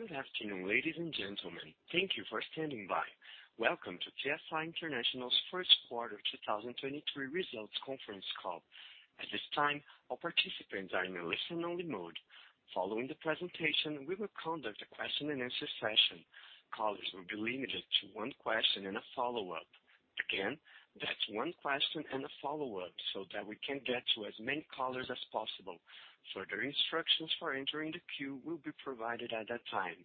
Good afternoon, ladies and gentlemen. Thank you for standing by. Welcome to TFI International's first quarter 2023 results conference call. At this time, all participants are in a listen only mode. Following the presentation, we will conduct a question and answer session. Callers will be limited to one question and a follow-up. Again, that's one question and a follow-up so that we can get to as many callers as possible. Further instructions for entering the queue will be provided at that time.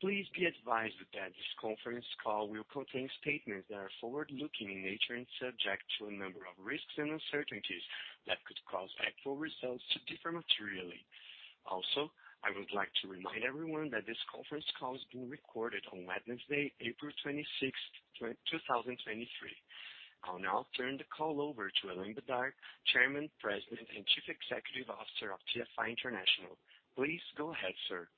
Please be advised that this conference call will contain statements that are forward-looking in nature and subject to a number of risks and uncertainties that could cause actual results to differ materially. Also, I would like to remind everyone that this conference call is being recorded on Wednesday, April 26th, 2023. I'll now turn the call over to Alain Bédard, Chairman, President and Chief Executive Officer of TFI International. Please go ahead, sir.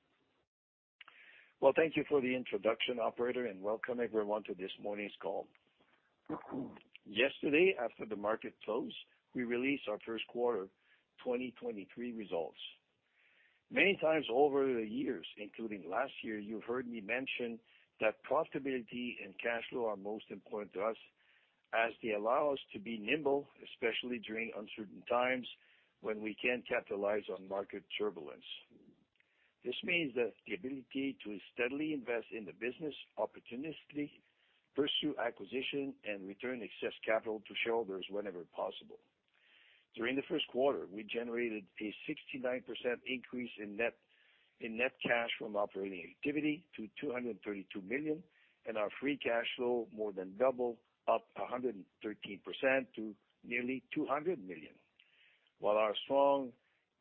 Well, thank thank you for the introduction, operator, and welcome everyone to this morning's call. Yesterday, after the market closed, we released our first quarter 2023 results. Many times over the years, including last year, you heard me mention that profitability and cash flow are most important to us as they allow us to be nimble, especially during uncertain times when we can capitalize on market turbulence. This means that the ability to steadily invest in the business, opportunistically pursue acquisition, and return excess capital to shareholders whenever possible. During the first quarter, we generated a 69% increase in net cash from operating activity to $232 million, and our free cash flow more than doubled, up 113% to nearly $200 million. While our strong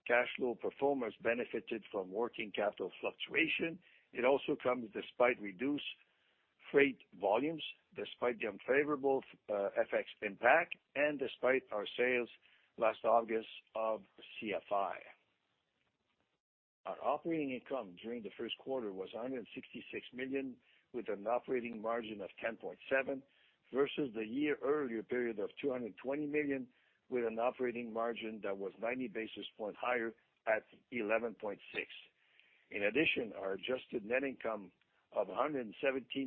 cash flow performance benefited from working capital fluctuation, it also comes despite reduced freight volumes, despite the unfavorable FX impact, and despite our sales last August of CFI. Our operating income during the first quarter was $166 million with an operating margin of 10.7% versus the year earlier period of $220 million with an operating margin that was 90 basis points higher at 11.6%. Our adjusted net income of $117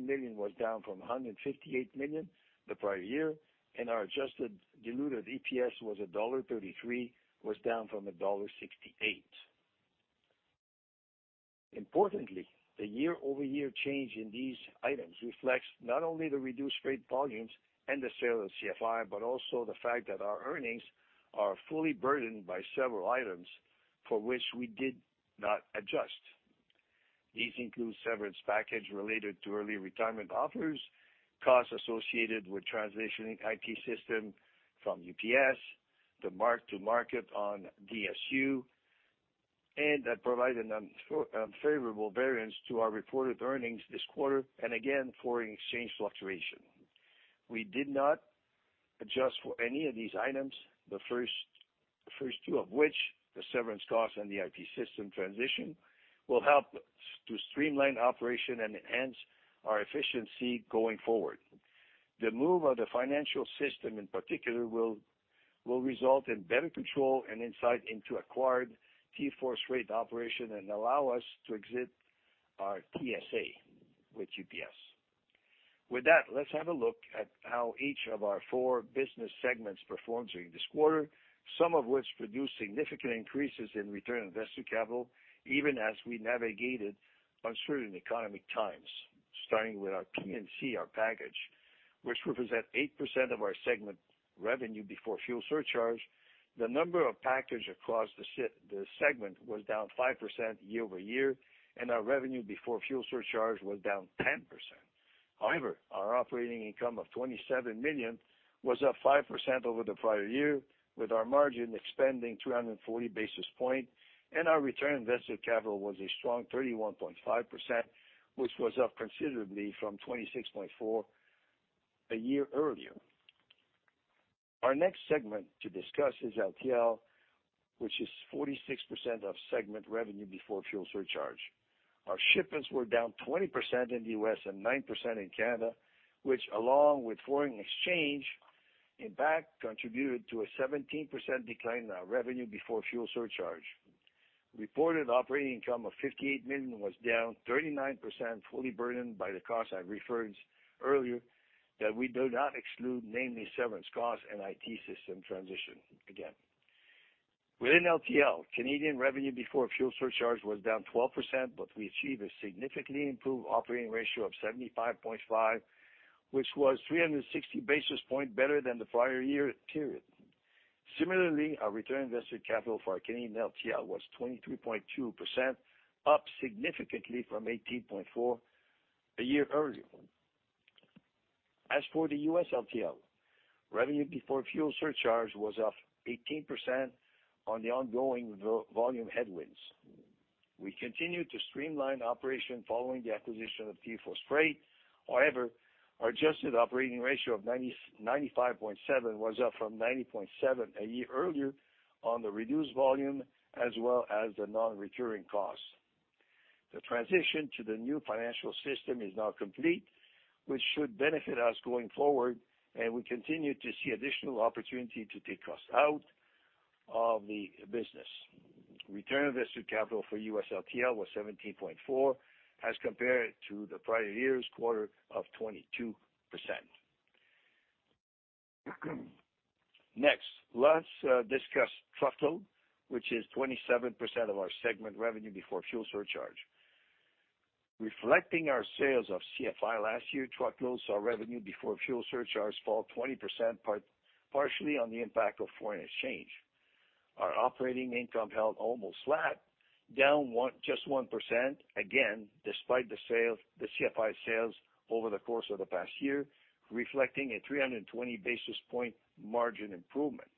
million was down from $158 million the prior year, and our adjusted diluted EPS was $1.33, was down from $1.68. Importantly, the year-over-year change in these items reflects not only the reduced freight volumes and the sale of CFI, but also the fact that our earnings are fully burdened by several items for which we did not adjust. These include severance package related to early retirement offers, costs associated with transitioning IT system from UPS, the mark-to-market on DSU, and that provided unfavorable variance to our reported earnings this quarter, and again, foreign exchange fluctuation. We did not adjust for any of these items, the first two of which, the severance cost and the IT system transition, will help to streamline operation and enhance our efficiency going forward. The move of the financial system in particular will result in better control and insight into acquired TForce Freight operation and allow us to exit our TSA with UPS. Let's have a look at how each of our four business segments performed during this quarter, some of which produced significant increases in return on invested capital, even as we navigated uncertain economic times. Starting with our P&C, our package, which represent 8% of our segment revenue before fuel surcharge. The number of package across the segment was down 5% year-over-year, and our revenue before fuel surcharge was down 10%. Our operating income of $27 million was up 5% over the prior year, with our margin expanding 340 basis point, and our return on invested capital was a strong 31.5%, which was up considerably from 26.4% a year earlier. Our next segment to discuss is LTL, which is 46% of segment revenue before fuel surcharge. Our shipments were down 20% in the U.S. and 9% in Canada, which, along with foreign exchange impact, contributed to a 17% decline in our revenue before fuel surcharge. Reported operating income of $58 million was down 39%, fully burdened by the costs I've referred earlier that we do not exclude, namely severance costs and IT system transition again. Within LTL, Canadian revenue before fuel surcharge was down 12%, but we achieved a significantly improved operating ratio of 75.5%, which was 360 basis points better than the prior year period. Similarly, our return on invested capital for Canadian LTL was 23.2%, up significantly from 18.4% a year earlier. As for the U.S. LTL, revenue before fuel surcharge was up 18% on the ongoing volume headwinds. We continued to streamline operation following the acquisition of TForce Freight. Our adjusted operating ratio of 95.7% was up from 90.7% a year earlier on the reduced volume as well as the non-recurring costs. The transition to the new financial system is now complete, which should benefit us going forward, and we continue to see additional opportunity to take costs out of the business. Return on invested capital for U.S. LTL was 17.4, as compared to the prior year's quarter of 22%. Next, let's discuss truckload, which is 27% of our segment revenue before fuel surcharge. Reflecting our sales of CFI last year, truckload saw revenue before fuel surcharges fall 20% partially on the impact of foreign exchange. Our operating income held almost flat, down just 1%, again, despite the CFI sales over the course of the past year, reflecting a 320 basis point margin improvement.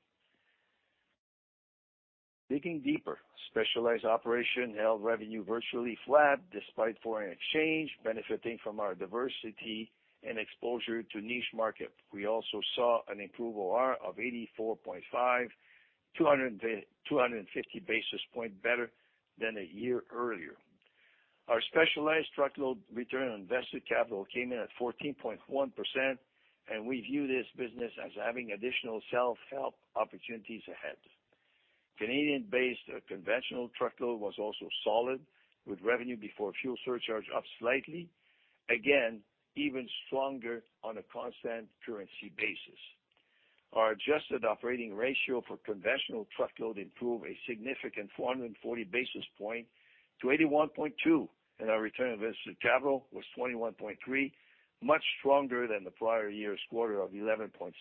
Digging deeper, specialized operation held revenue virtually flat despite foreign exchange, benefiting from our diversity and exposure to niche market. We also saw an improve OR of 84.5%, 250 basis point better than a year earlier. Our specialized truckload return on invested capital came in at 14.1%, and we view this business as having additional self-help opportunities ahead. Canadian-based conventional truckload was also solid, with revenue before fuel surcharge up slightly. Again, even stronger on a constant currency basis. Our adjusted operating ratio for conventional truckload improved a significant 440 basis points to 81.2%. Our return on invested capital was 21.3%, much stronger than the prior year's quarter of 11.7%,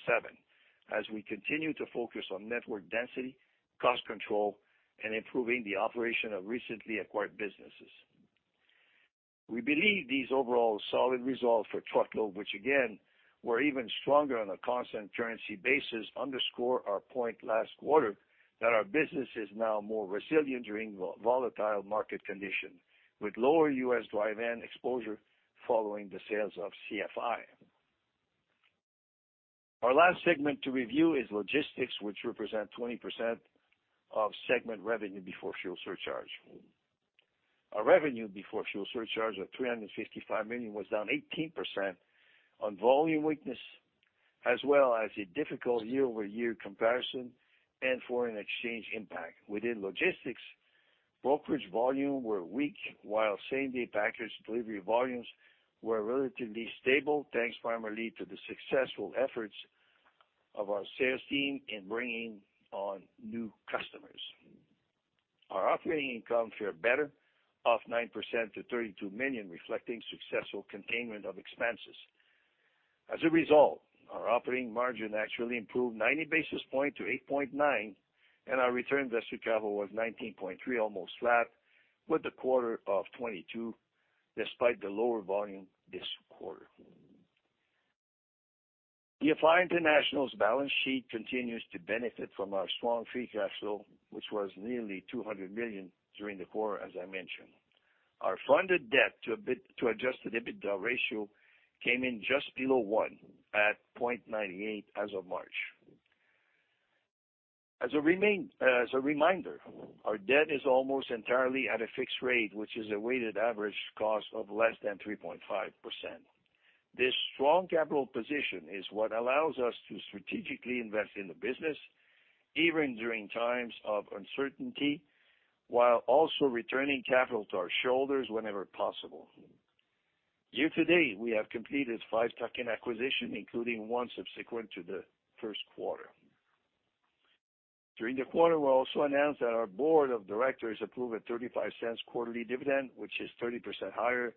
as we continue to focus on network density, cost control, and improving the operation of recently acquired businesses. We believe these overall solid results for truckload, which again, were even stronger on a constant currency basis, underscore our point last quarter that our business is now more resilient during volatile market conditions, with lower U.S. dry van exposure following the sales of CFI. Our last segment to review is logistics, which represent 20% of segment revenue before fuel surcharge. Our revenue before fuel surcharge of $355 million was down 18% on volume weakness, as well as a difficult year-over-year comparison and foreign exchange impact. Within logistics, brokerage volume were weak, while same-day package delivery volumes were relatively stable, thanks primarily to the successful efforts of our sales team in bringing on new customers. Our operating income fared better, off 9% to $32 million, reflecting successful containment of expenses. As a result, our operating margin actually improved 90 basis point to 8.9%, and our return invested capital was 19.3%, almost flat with the quarter of 2022, despite the lower volume this quarter. TFI International's balance sheet continues to benefit from our strong free cash flow, which was nearly $200 million during the quarter, as I mentioned. Our funded debt to Adjusted EBITDA ratio came in just below 1% at 0.98% as of March. As a reminder, our debt is almost entirely at a fixed rate, which is a weighted average cost of less than 3.5%. This strong capital position is what allows us to strategically invest in the business, even during times of uncertainty, while also returning capital to our shareholders whenever possible. Year to date, we have completed five tuck-in acquisitions, including one subsequent to the first quarter. During the quarter, we also announced that our board of directors approved a $0.35 quarterly dividend, which is 30% higher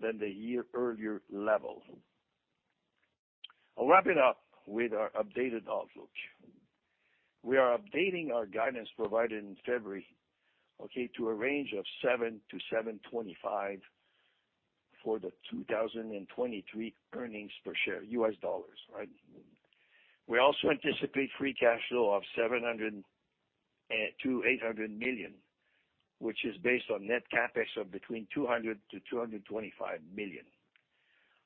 than the year-earlier level. I'll wrap it up with our updated outlook. We are updating our guidance provided in February to a range of $7.00-$7.25 for the 2023 earnings per share, U.S. dollars. We also anticipate free cash flow of $700 million-$800 million, which is based on net CapEx of between $200 million-$225 million.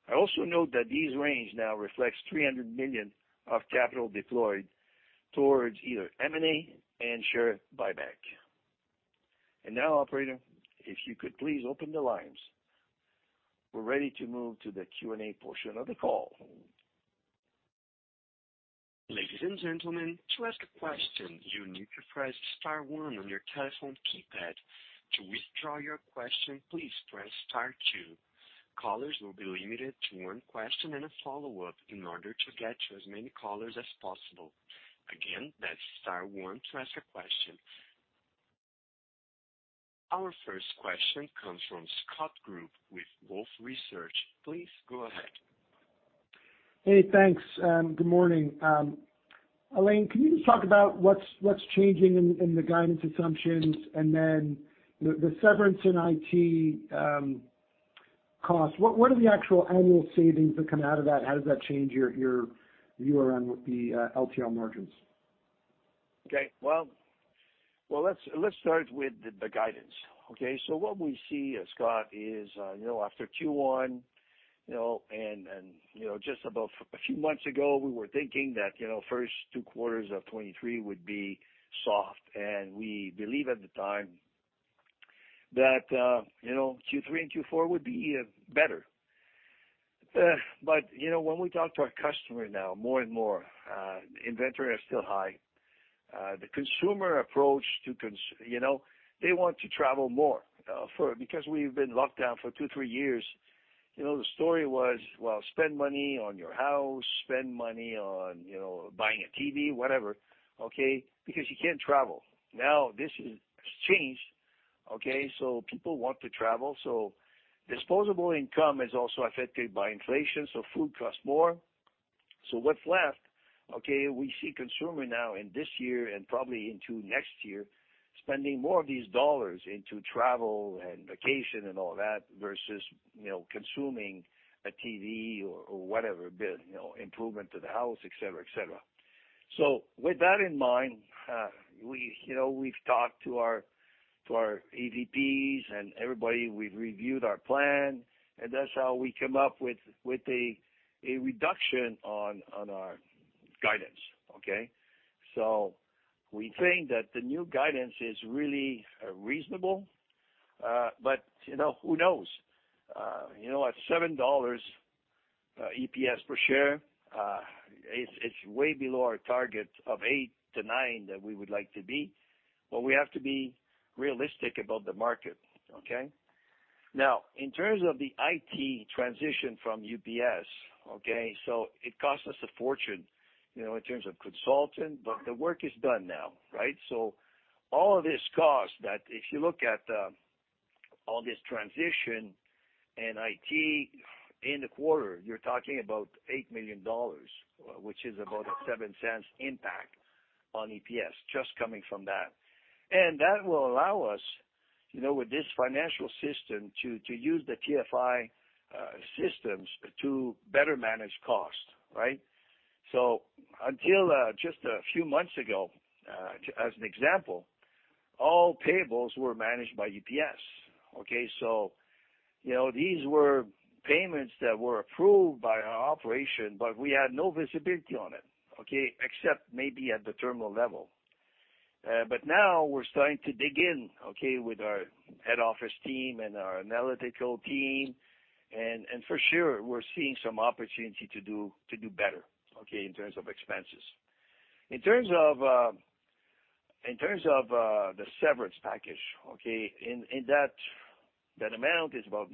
I also note that this range now reflects $300 million of capital deployed towards either M&A and share buyback. Now, operator, if you could please open the lines, we're ready to move to the Q&A portion of the call. Ladies and gentlemen, to ask a question, you need to press star one on your telephone keypad. To withdraw your question, please press star two. Callers will be limited to one question and a follow-up in order to get to as many callers as possible. Again, that's star one to ask a question. Our first question comes from Scott Group with Wolfe Research. Please go ahead. Hey, thanks. Good morning. Alain, can you just talk about what's changing in the guidance assumptions and then the severance in IT costs? What are the actual annual savings that come out of that? How does that change your view around what the LTL margins? Okay. Well, let's start with the guidance, okay? What we see, Scott, is, you know, after Q1. You know, and, you know, just about a few months ago, we were thinking that, you know, first two quarters of 2023 would be soft, and we believe at the time that, you know, Q3 and Q4 would be better. You know, when we talk to our customer now more and more, inventory are still high. The consumer approach to... You know, they want to travel more, because we've been locked down for two, three years. You know, the story was, well, spend money on your house, spend money on, you know, buying a TV, whatever, okay? Because you can't travel. Now, this has changed, okay? People want to travel. Disposable income is also affected by inflation, so food costs more. What's left? Okay, we see consumer now in this year and probably into next year, spending more of these dollars into travel and vacation and all that versus, you know, consuming a TV or, whatever, you know, improvement to the house, et cetera, et cetera. With that in mind, we, you know, we've talked to our, to our EVPs and everybody, we've reviewed our plan, and that's how we come up with a reduction on our guidance, okay? We think that the new guidance is really reasonable, but, you know, who knows? you know, at $7 EPS per share, it's way below our target of $8-$9 that we would like to be, but we have to be realistic about the market, okay? In terms of the IT transition from UPS, okay, it costs us a fortune, you know, in terms of consulting, but the work is done now, right? All of this cost that if you look at all this transition and IT in the quarter, you're talking about $8 million, which is about a $0.07 impact on EPS just coming from that. That will allow us, you know, with this financial system to use the TFI systems to better manage costs, right? Until just a few months ago, as an example, all payables were managed by UPS, okay? You know, these were payments that were approved by our operation, but we had no visibility on it, okay? Except maybe at the terminal level. Now we're starting to dig in, okay, with our head office team and our analytical team. For sure, we're seeing some opportunity to do better, okay, in terms of expenses. In terms of the severance package, okay? That amount is close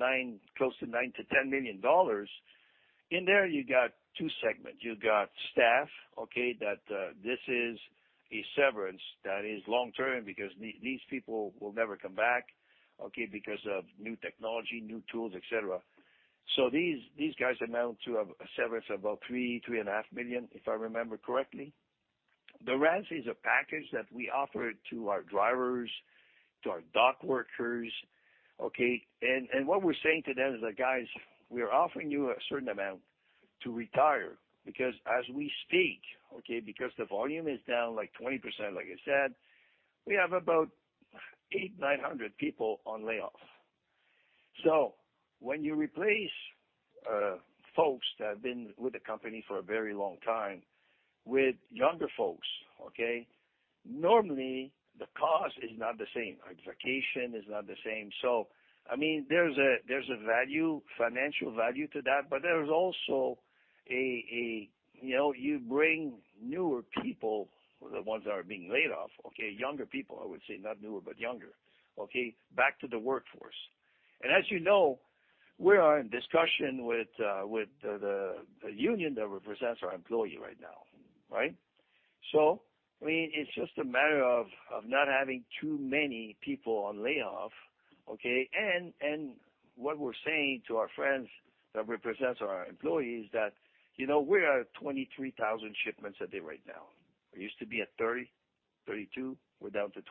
to $9 million-$10 million. There, you got two segments. You got staff, okay? That, this is a severance that is long-term because these people will never come back, okay? Because of new technology, new tools, et cetera. These guys amount to a severance of about $3.5 million, if I remember correctly. The rest is a package that we offer to our drivers, to our dock workers, okay. What we're saying to them is that, "Guys, we are offering you a certain amount to retire." As we speak, okay, because the volume is down like 20%, like I said, we have about 800-900 people on layoff. When you replace folks that have been with the company for a very long time with younger folks, okay, normally the cost is not the same. Vacation is not the same. I mean, there's a, there's a value, financial value to that, but there's also a, you know, you bring newer people, the ones that are being laid off, okay, younger people, I would say, not newer, but younger, okay, back to the workforce. As you know, we are in discussion with the union that represents our employee right now? I mean, it's just a matter of not having too many people on layoff. What we're saying to our friends that represents our employees that, you know, we are at 23,000 shipments a day right now. We used to be at 30,000, 32,000. We're down to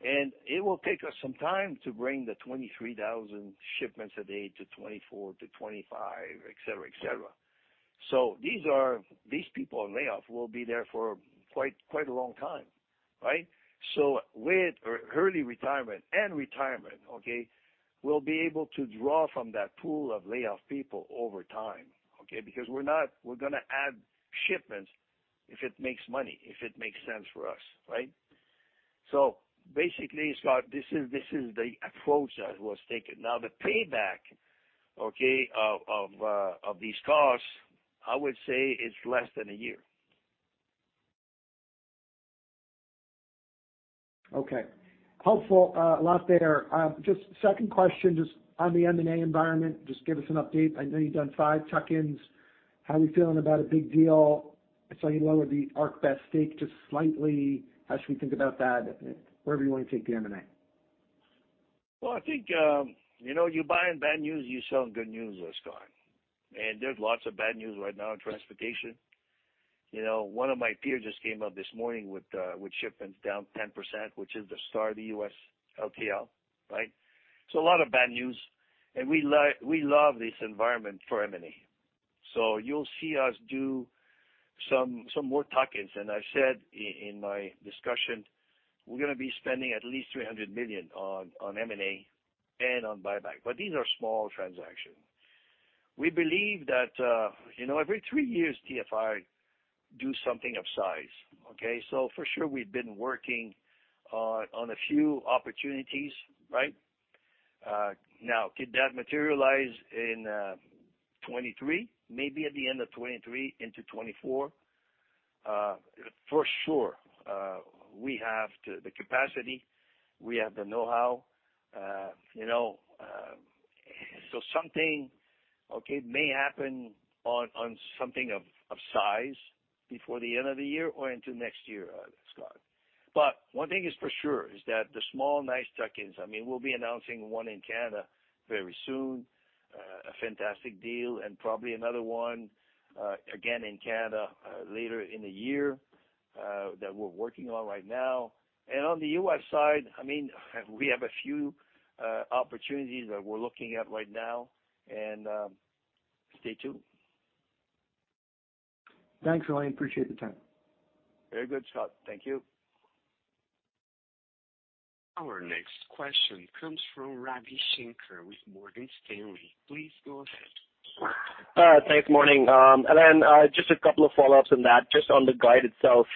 23,000. It will take us some time to bring the 23,000 shipments a day to 24,000 to 25,000, et cetera, et cetera. These people on layoff will be there for quite a long time, right? With early retirement and retirement, we'll be able to draw from that pool of layoff people over time. We're not we're gonna add shipments if it makes money, if it makes sense for us, right? Basically, Scott, this is the approach that was taken. The payback, okay, of these costs, I would say it's less than a year. Okay. Helpful, lot there. Just second question, just on the M&A environment, just give us an update. I know you've done five tuck-ins. How are we feeling about a big deal? I saw you lowered the ArcBest stake just slightly. How should we think about that? Wherever you wanna take the M&A. Well, I think, you know, you buy on bad news, you sell on good news, Scott. There's lots of bad news right now in transportation. You know, one of my peers just came up this morning with shipments down 10%, which is the star of the U.S. LTL, right? A lot of bad news. We love this environment for M&A. You'll see us do some more tuck-ins. I said in my discussion, we're gonna be spending at least $300 million on M&A and on buyback, but these are small transactions. We believe that, you know, every three years, TFI do something of size, okay? For sure, we've been working on a few opportunities, right? Now, could that materialize in 2023? Maybe at the end of 2023 into 2024. For sure, we have the capacity. We have the know-how. You know, so something, okay, may happen on something of size before the end of the year or into next year, Scott. One thing is for sure, is that the small, nice tuck-ins, I mean, we'll be announcing one in Canada very soon, a fantastic deal, and probably another one, again, in Canada, later in the year, that we're working on right now. On the U.S. side, I mean, we have a few opportunities that we're looking at right now and stay tuned. Thanks, Alain. Appreciate the time. Very good, Scott. Thank you. Our next question comes from Ravi Shanker with Morgan Stanley. Please go ahead. Thanks. Morning. Alain, just a couple of follow-ups on that. Just on the guide itself.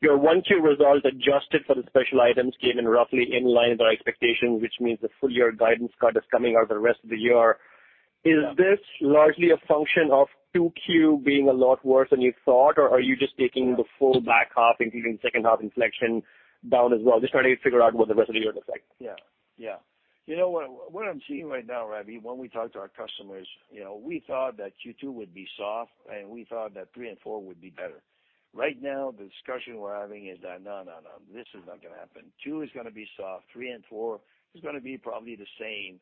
Your 1Q results adjusted for the special items came in roughly in line with our expectations, which means the full year guidance cut is coming out the rest of the year. Is this largely a function of 2Q being a lot worse than you thought, or are you just taking the full back half, including second half inflection down as well? Just trying to figure out what the rest of the year looks like. Yeah. Yeah. You know what I'm seeing right now, Ravi, when we talk to our customers, you know, we thought that Q2 would be soft, and we thought that Q3 and Q4 would be better. Right now, the discussion we're having is that, no, no, this is not gonna happen. Q2 is gonna be soft. Q3 and Q4 is gonna be probably the same.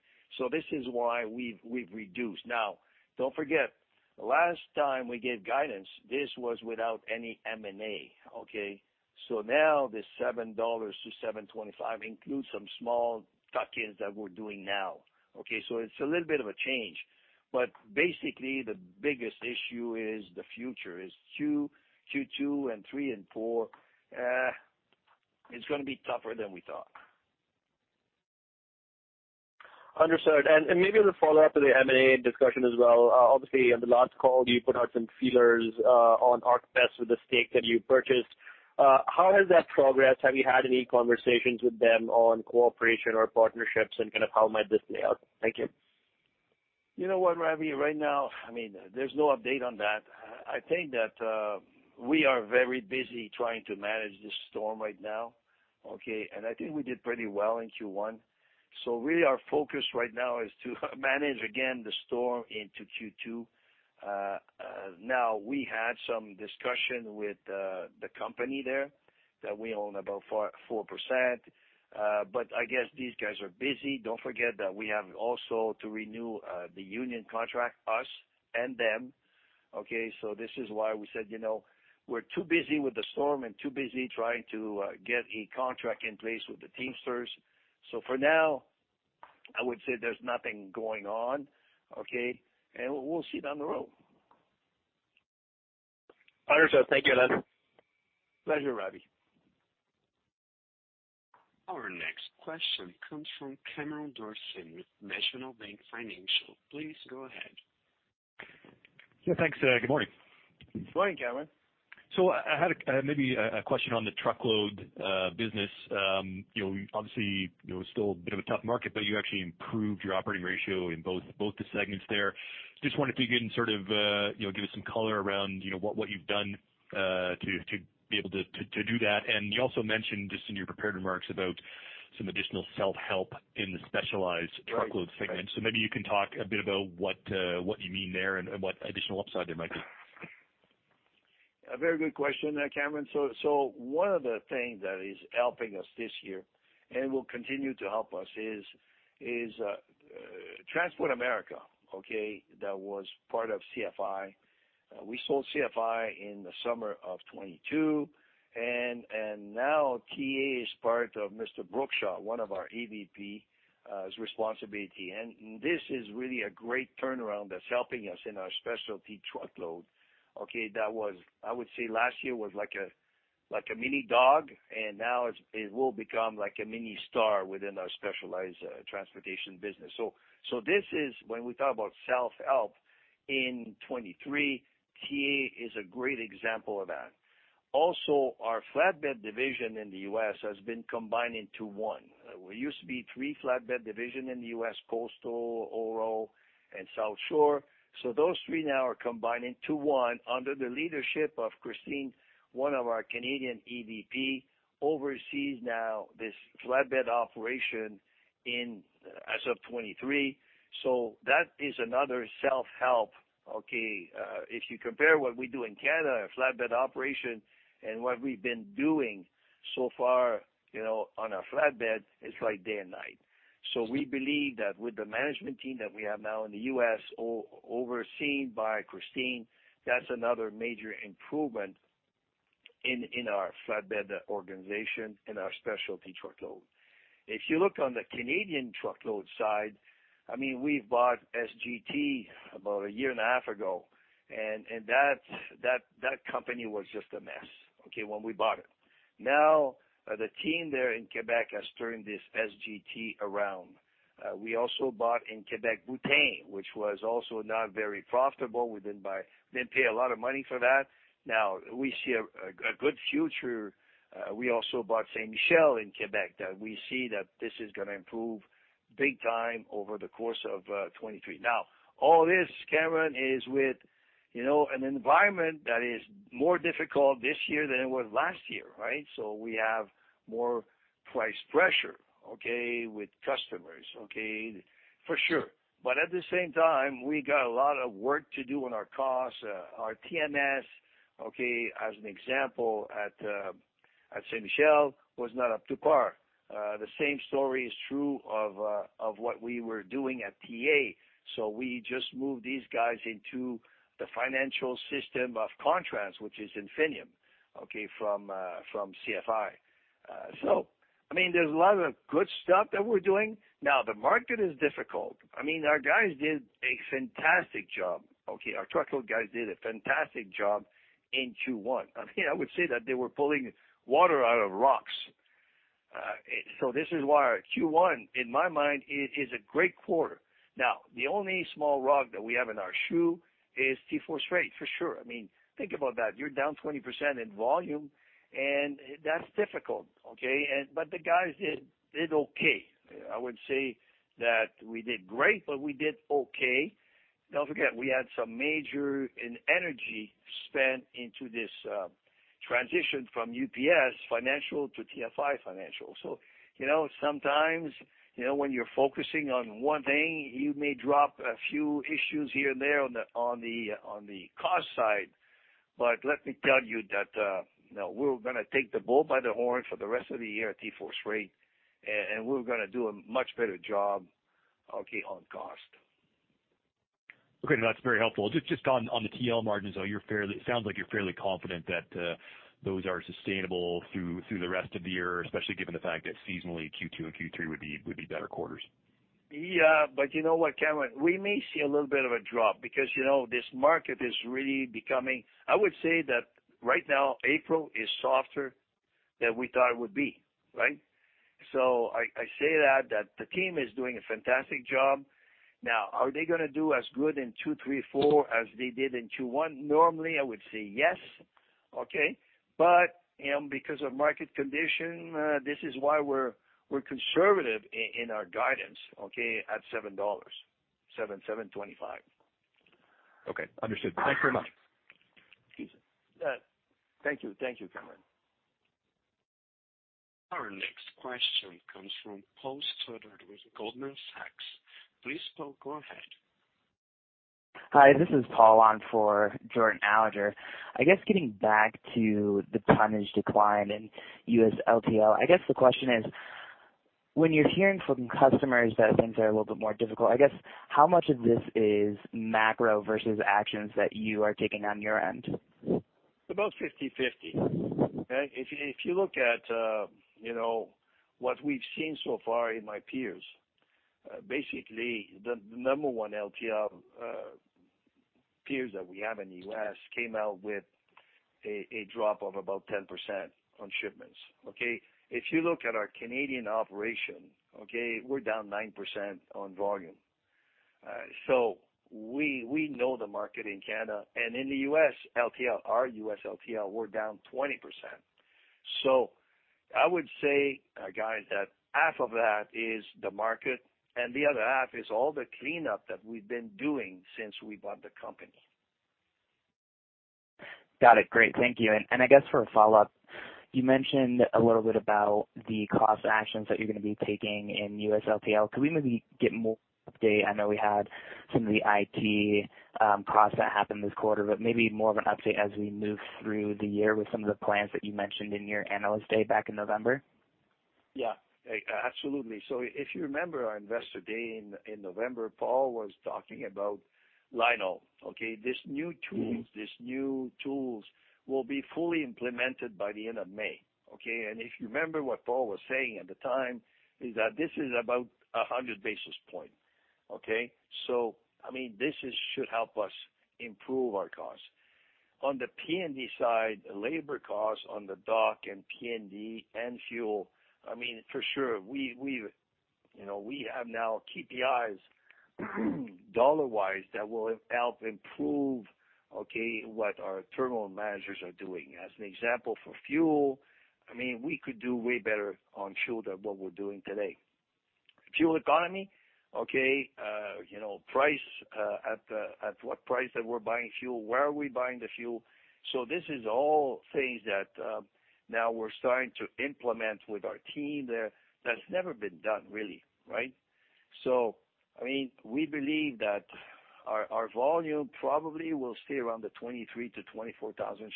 This is why we've reduced. Now, don't forget, last time we gave guidance, this was without any M&A, okay? Now this $7.00-$7.25 includes some small tuck-ins that we're doing now, okay? It's a little bit of a change, but basically, the biggest issue is the future. Is Q2 and Q3 and Q4. It's gonna be tougher than we thought. Understood. Maybe as a follow-up to the M&A discussion as well. Obviously, on the last call, you put out some feelers on ArcBest with the stake that you purchased. How has that progressed? Have you had any conversations with them on cooperation or partnerships and kind of how it might this play out? Thank you. You know what, Ravi? Right now, I mean, there's no update on that. I think that, we are very busy trying to manage this storm right now, okay? I think we did pretty well in Q1. Really our focus right now is to manage again the storm into Q2. Now we had some discussion with the company there that we own about 4%. I guess these guys are busy. Don't forget that we have also to renew the union contract, us and them, okay? This is why we said, you know, we're too busy with the storm and too busy trying to get a contract in place with the Teamsters. For now, I would say there's nothing going on, okay? We'll see down the road. Understood. Thank you, Alain. Pleasure, Ravi. Our next question comes from Cameron Doerksen with National Bank Financial. Please go ahead. Yeah, thanks. Good morning. Morning, Cameron. I had, maybe a question on the truckload business. You know, obviously, you know, still a bit of a tough market, but you actually improved your operating ratio in both the segments there. Just wondered if you can sort of, you know, give us some color around, you know, what you've done to be able to do that. You also mentioned just in your prepared remarks about some additional self-help in the specialized truckload segment. Maybe you can talk a bit about what you mean there and what additional upside there might be. A very good question, Cameron. One of the things that is helping us this year, and will continue to help us, is Transport America. That was part of CFI. We sold CFI in the summer of 2022. Now TA is part of Mr. Brookshaw, one of our EVP, his responsibility. This is really a great turnaround that's helping us in our specialty truckload. That was, I would say last year was like a, like a mini dog, and now it will become like a mini star within our specialized transportation business. This is when we talk about self-help in 2023, TA is a great example of that. Also, our flatbed division in the U.S. has been combined into one. We used to be three flatbed division in the U.S., Coastal, Ho-Ro, and South Shore. Those three now are combined into one under the leadership of Kristen, one of our Canadian EVP, oversees now this flatbed operation in as of 2023. That is another self-help, okay? If you compare what we do in Canada, flatbed operation, and what we've been doing so far, you know, on our flatbed, it's like day and night. We believe that with the management team that we have now in the U.S., overseen by Kristen, that's another major improvement in our flatbed organization, in our specialty truckload. If you look on the Canadian truckload side, I mean, we've bought SGT about a year and a half ago, and that company was just a mess, okay, when we bought it. The team there in Quebec has turned this SGT around. We also bought in Quebec, Boutin, which was also not very profitable. Didn't pay a lot of money for that. Now we see a good future. We also bought Saint-Michel in Quebec, that we see that this is gonna improve big time over the course of 2023. All this, Cameron, is with, you know, an environment that is more difficult this year than it was last year, right? We have more price pressure with customers? For sure. At the same time, we got a lot of work to do on our costs. Our TMS, as an example, at Saint-Michel, was not up to par. The same story is true of what we were doing at TA. We just moved these guys into the financial system of Contrans, which is Infinium, from CFI. I mean, there's a lot of good stuff that we're doing. The market is difficult. I mean, our guys did a fantastic job, okay. Our truckload guys did a fantastic job in Q1. I mean, I would say that they were pulling water out of rocks. This is why our Q1, in my mind, is a great quarter. The only small rock that we have in our shoe is TForce Freight, for sure. I mean, think about that. You're down 20% in volume, and that's difficult, okay? The guys did okay. I wouldn't say that we did great, but we did okay. Don't forget, we had some major in energy spent into this transition from UPS Financial to TFI Financial. you know, sometimes, you know, when you're focusing on one thing, you may drop a few issues here and there on the cost side. Let me tell you that, you know, we're gonna take the bull by the horn for the rest of the year at TForce Freight, and we're gonna do a much better job, okay, on cost. Okay. No, that's very helpful. Just on the TL margins, though, It sounds like you're fairly confident that those are sustainable through the rest of the year, especially given the fact that seasonally Q2 and Q3 would be better quarters. You know what, Cameron? We may see a little bit of a drop because, you know, this market is really becoming. I would say that right now, April is softer than we thought it would be, right? I say that the team is doing a fantastic job. Now, are they gonna do as good in Q2, Q3, Q4 as they did in Q1? Normally, I would say yes, okay. Because of market condition, this is why we're conservative in our guidance, okay, at $7-$7.25. Okay. Understood. Thanks very much. Excuse me. Thank you. Thank you, Cameron. Our next question comes from Paul Stoddard with Goldman Sachs. Please, Paul, go ahead. Hi, this is Paul on for Jordan Alliger. I guess getting back to the tonnage decline in U.S. LTL, I guess the question is, when you're hearing from customers that things are a little bit more difficult, I guess how much of this is macro versus actions that you are taking on your end? About 50/50. Okay? If you look at, you know, what we've seen so far in my peers, basically the number one LTL peers that we have in U.S. came out with a drop of about 10% on shipments. Okay? If you look at our Canadian operation, okay, we're down 9% on volume. We know the market in Canada and in the U.S. LTL, our U.S. LTL, we're down 20%. I would say, guys, that half of that is the market and the other half is all the cleanup that we've been doing since we bought the company. Got it. Great. Thank you. I guess for a follow-up, you mentioned a little bit about the cost actions that you're gonna be taking in U.S. LTL. Could we maybe get more update? I know we had some of the IT costs that happened this quarter, but maybe more of an update as we move through the year with some of the plans that you mentioned in your Analyst Day back in November. Yeah. Absolutely. If you remember our Investor Day in November, Paul was talking about Lino. This new tools will be fully implemented by the end of May. If you remember what Paul was saying at the time, is that this is about 100 basis point. I mean, this should help us improve our costs. On the P&D side, labor costs on the dock and P&D and fuel, I mean, for sure, we've, you know, we have now KPIs dollar-wise that will help improve what our terminal managers are doing. As an example, for fuel, I mean, we could do way better on fuel than what we're doing today. Fuel economy, you know, price at what price that we're buying fuel. Where are we buying the fuel? This is all things that, now we're starting to implement with our team there. That's never been done really, right? We believe that our volume probably will stay around the 23,000-24,000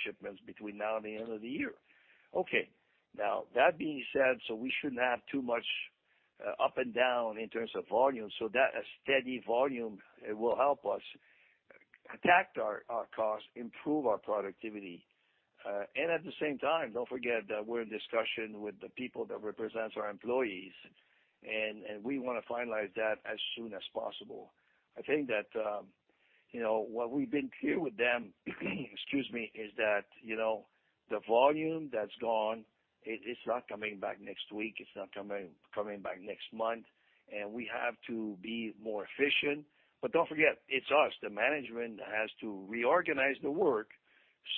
shipments between now and the end of the year. Okay. Now that being said, we shouldn't have too much up and down in terms of volume. That a steady volume will help us protect our costs, improve our productivity. And at the same time, don't forget that we're in discussion with the people that represents our employees, and we wanna finalize that as soon as possible. I think that, you know, what we've been clear with them, excuse me, is that, you know, the volume that's gone, it is not coming back next week, it's not coming back next month, and we have to be more efficient. Don't forget, it's us, the management has to reorganize the work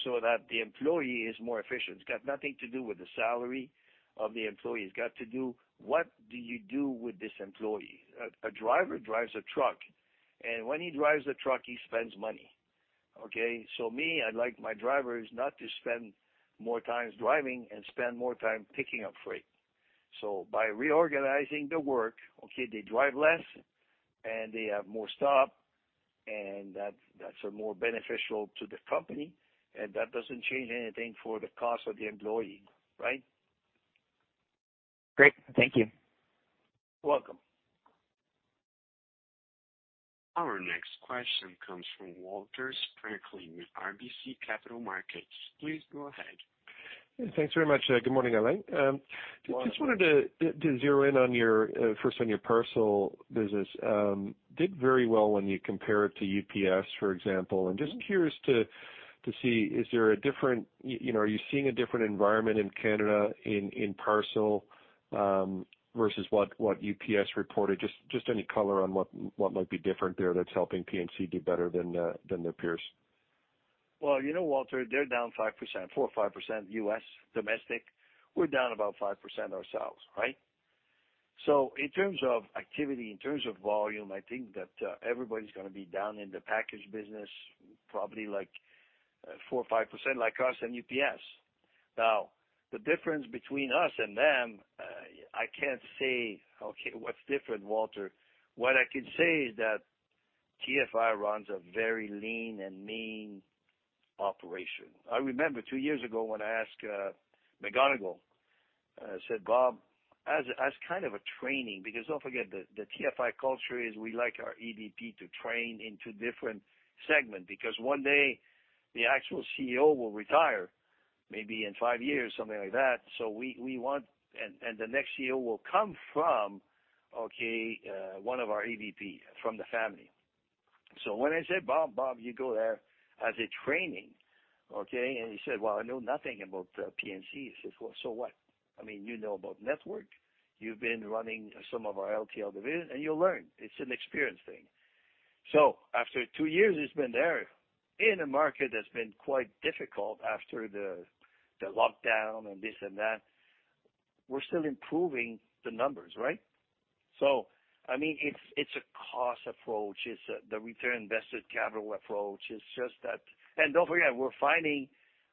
so that the employee is more efficient. It's got nothing to do with the salary of the employee. It's got to do what do you do with this employee? A driver drives a truck, and when he drives a truck, he spends money, okay? Me, I'd like my drivers not to spend more times driving and spend more time picking up freight. by reorganizing the work, okay, they drive less, and they have more stop, and that's more beneficial to the company, and that doesn't change anything for the cost of the employee, right? Great. Thank you. You're welcome. Our next question comes from Walter Spracklin with RBC Capital Markets. Please go ahead. Thanks very much. Good morning, Alain. Walter. Just wanted to zero in on your first on your parcel business. Did very well when you compare it to UPS, for example. I'm just curious to see, are you seeing a different environment in Canada in parcel versus what UPS reported? Just any color on what might be different there that's helping P&C do better than their peers. Well, you know, Walter, they're down 5%, 4% or 5% U.S. domestic. We're down about 5% ourselves, right? In terms of activity, in terms of volume, I think that everybody's gonna be down in the package business, probably like 4% or 5% like us and UPS. The difference between us and them, I can't say, okay, what's different, Walter. What I can say is that TFI runs a very lean and mean operation. I remember two years ago when I asked McGonigal, I said, "Bob," as kind of a training, don't forget, the TFI culture is we like our EVP to train into different segment. One day, the actual CEO will retire, maybe in five years, something like that. We want... The next CEO will come from, one of our EVP from the family. When I say, "Bob, you go there as a training." He said, "Well, I know nothing about P&C." I said, "Well, so what? I mean, you know about network. You've been running some of our LTL division, and you'll learn. It's an experience thing." After two years, he's been there in a market that's been quite difficult after the lockdown and this and that. We're still improving the numbers, right? I mean, it's a cost approach. It's, the return invested capital approach. It's just that. Don't forget, we're finding,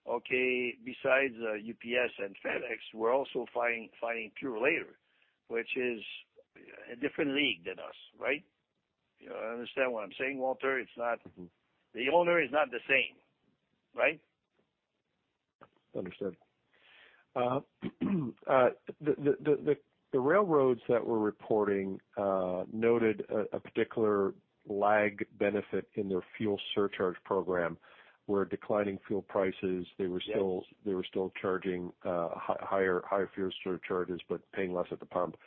besides UPS and FedEx, we're also finding Purolator, which is a different league than us, right? You understand what I'm saying, Walter? It's not... The owner is not the same, right? Understood. The railroads that we're reporting, noted a particular lag benefit in their fuel surcharge program, where declining fuel prices. Yes. They were still charging, higher fuel surcharges but paying less at the pump.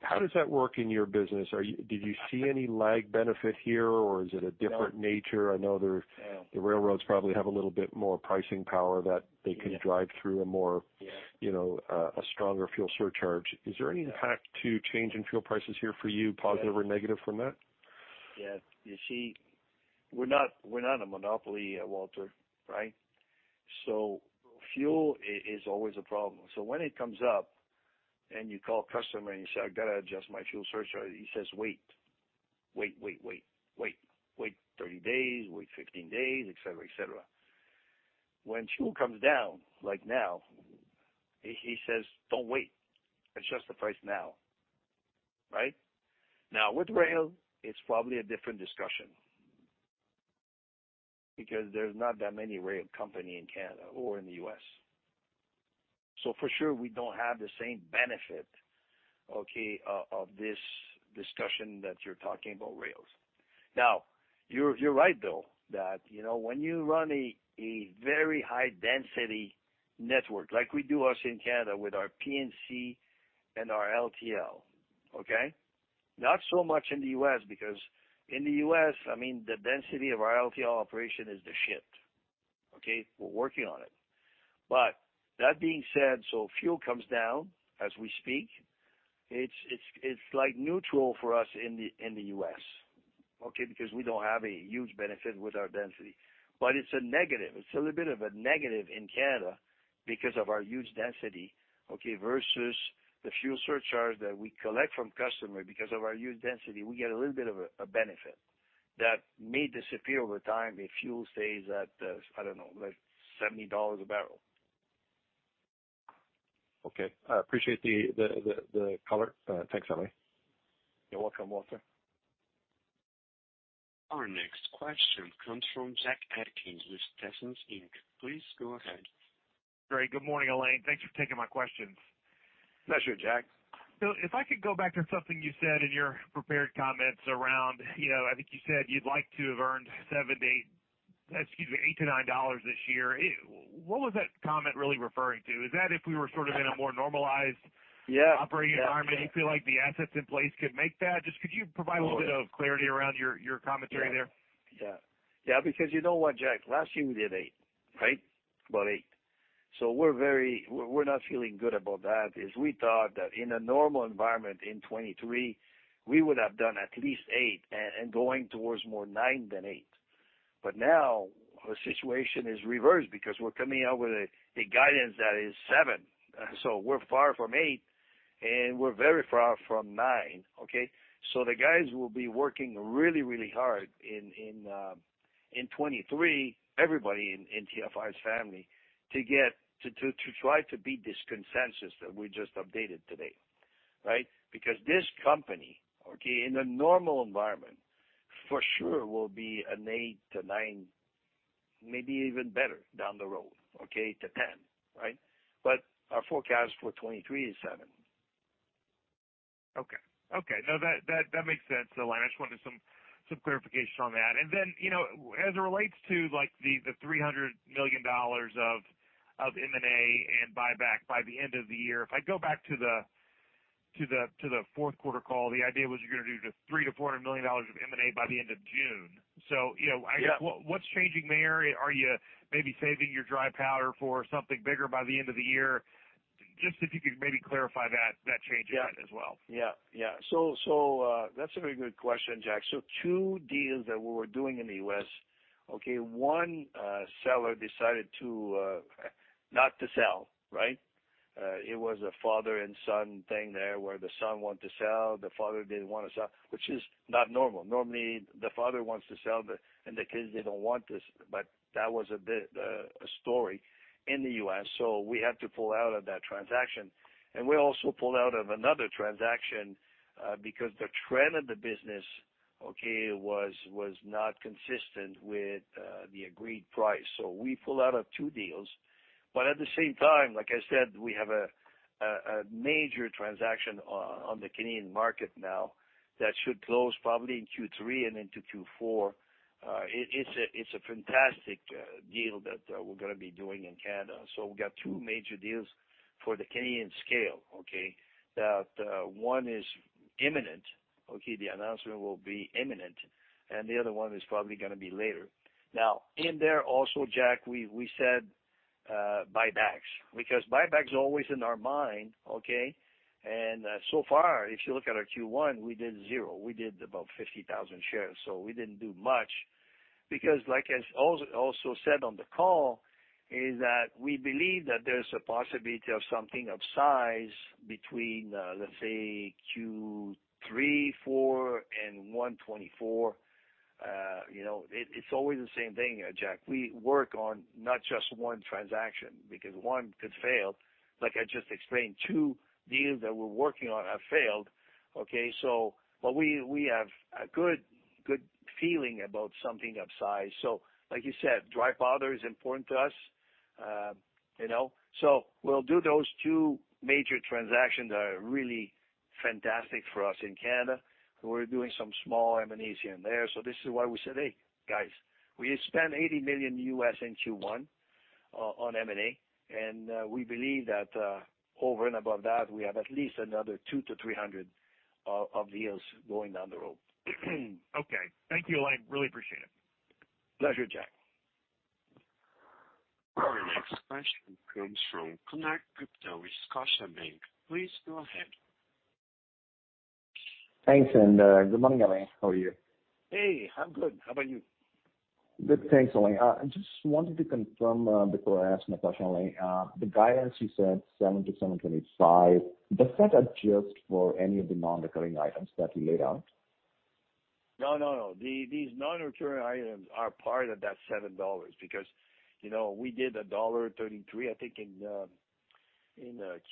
How does that work in your business? Did you see any lag benefit here, or is it a different nature? No. I know the railroads probably have a little bit more pricing power that they can drive through. Yeah. You know, a stronger fuel surcharge. Is there any impact to change in fuel prices here for you, positive or negative from that? Yeah. You see, we're not a monopoly, Walter, right? Fuel is always a problem. When it comes up, and you call customer and you say, "I've got to adjust my fuel surcharge," he says, "Wait. Wait 30 days, wait 15 days," et cetera, et cetera. When fuel comes down, like now, he says, "Don't wait. Adjust the price now." Right? With rail, it's probably a different discussion. There's not that many rail company in Canada or in the U.S. For sure, we don't have the same benefit, okay, of this discussion that you're talking about rails. You're right, though, that, you know, when you run a very high density network like we do us in Canada with our P&C and our LTL, okay? Not so much in the U.S., because in the U.S., I mean, the density of our LTL operation is the shit, okay? We're working on it. That being said, fuel comes down as we speak. It's like neutral for us in the U.S., okay? We don't have a huge benefit with our density. It's a negative. It's a little bit of a negative in Canada because of our huge density, okay, versus the fuel surcharge that we collect from customer. Of our huge density, we get a little bit of a benefit that may disappear over time if fuel stays at, I don't know, like $70 a barrel. Okay. I appreciate the color. Thanks, Alain. You're welcome, Walter. Our next question comes from Jack Atkins with Stephens Inc. Please go ahead. Great. Good morning, Alain. Thanks for taking my questions. Pleasure, Jack. If I could go back to something you said in your prepared comments around, you know, I think you said you'd like to have earned $7 to $8... Excuse me, $8 to $9 this year. What was that comment really referring to? Is that if we were sort of in a more normalized-? Yeah. operating environment, you feel like the assets in place could make that? Just could you provide a little bit of clarity around your commentary there? Yeah. Yeah. You know what, Jack? Last year we did $8, right? About $8. We're not feeling good about that is we thought that in a normal environment in 2023 we would have done at least $8 and going towards more $9 than $8. Now, the situation is reversed because we're coming out with a guidance that is $7. We're far from $8, and we're very far from $9, okay? The guys will be working really, really hard in 2023, everybody in TFI's family to get to try to beat this consensus that we just updated today, right? This company, okay, in a normal environment for sure will be an $8-$9, maybe even better down the road, okay, to $10, right? Our forecast for 2023 is 7. Okay. Okay. No, that makes sense, Alain. I just wanted some clarification on that. you know, as it relates to like the $300 million of M&A and buyback by the end of the year, if I go back to the fourth quarter call, the idea was you're gonna do just $300 million-$400 million of M&A by the end of June. you know... Yeah. What's changing there? Are you maybe saving your dry powder for something bigger by the end of the year? Just if you could maybe clarify that change again as well. Yeah. Yeah. That's a very good question, Jack. Two deals that we were doing in the U.S., okay, one seller decided to not to sell, right? It was a father and son thing there where the son wanted to sell, the father didn't wanna sell, which is not normal. Normally, the father wants to sell and the kids, they don't want this, but that was a bit a story in the U.S., we had to pull out of that transaction. We also pulled out of another transaction because the trend of the business, okay, was not consistent with the agreed price. We pull out of two deals. at the same time, like I said, we have a major transaction on the Canadian market now that should close probably in Q3 and into Q4. It's a fantastic deal that we're gonna be doing in Canada. We've got two major deals for the Canadian scale, okay? One is imminent, okay, the announcement will be imminent, and the other one is probably gonna be later. In there also, Jack, we said buybacks. Buybacks are always in our mind, okay? So far, if you look at our Q1, we did 0. We did about 50,000 shares, so we didn't do much. Like I also said on the call, is that we believe that there's a possibility of something of size between, let's say Q3, Q4 and Q1 2024. You know, it's always the same thing, Jack. We work on not just one transaction because one could fail. Like I just explained, two deals that we're working on have failed. We have a good feeling about something of size. Like you said, dry powder is important to us. You know, we'll do those two major transactions that are really fantastic for us in Canada. We're doing some small M&As here and there. This is why we said, "Hey, guys, we spent $80 million in Q1 on M&A, and we believe that over and above that, we have at least another $200-$300 million of deals going down the road. Okay. Thank you, Alain. Really appreciate it. Pleasure, Jack. Our next question comes from Konark Gupta with Scotiabank. Please go ahead. Thanks, good morning, Alain. How are you? Hey, I'm good. How about you? Good, thanks, Alain. I just wanted to confirm, before I ask Natasha, Alain. The guidance you said $7 to $7.25, is that adjusted for any of the non-recurring items that you laid out? No, no. These non-recurring items are part of that $7 because, you know, we did $1.33 I think in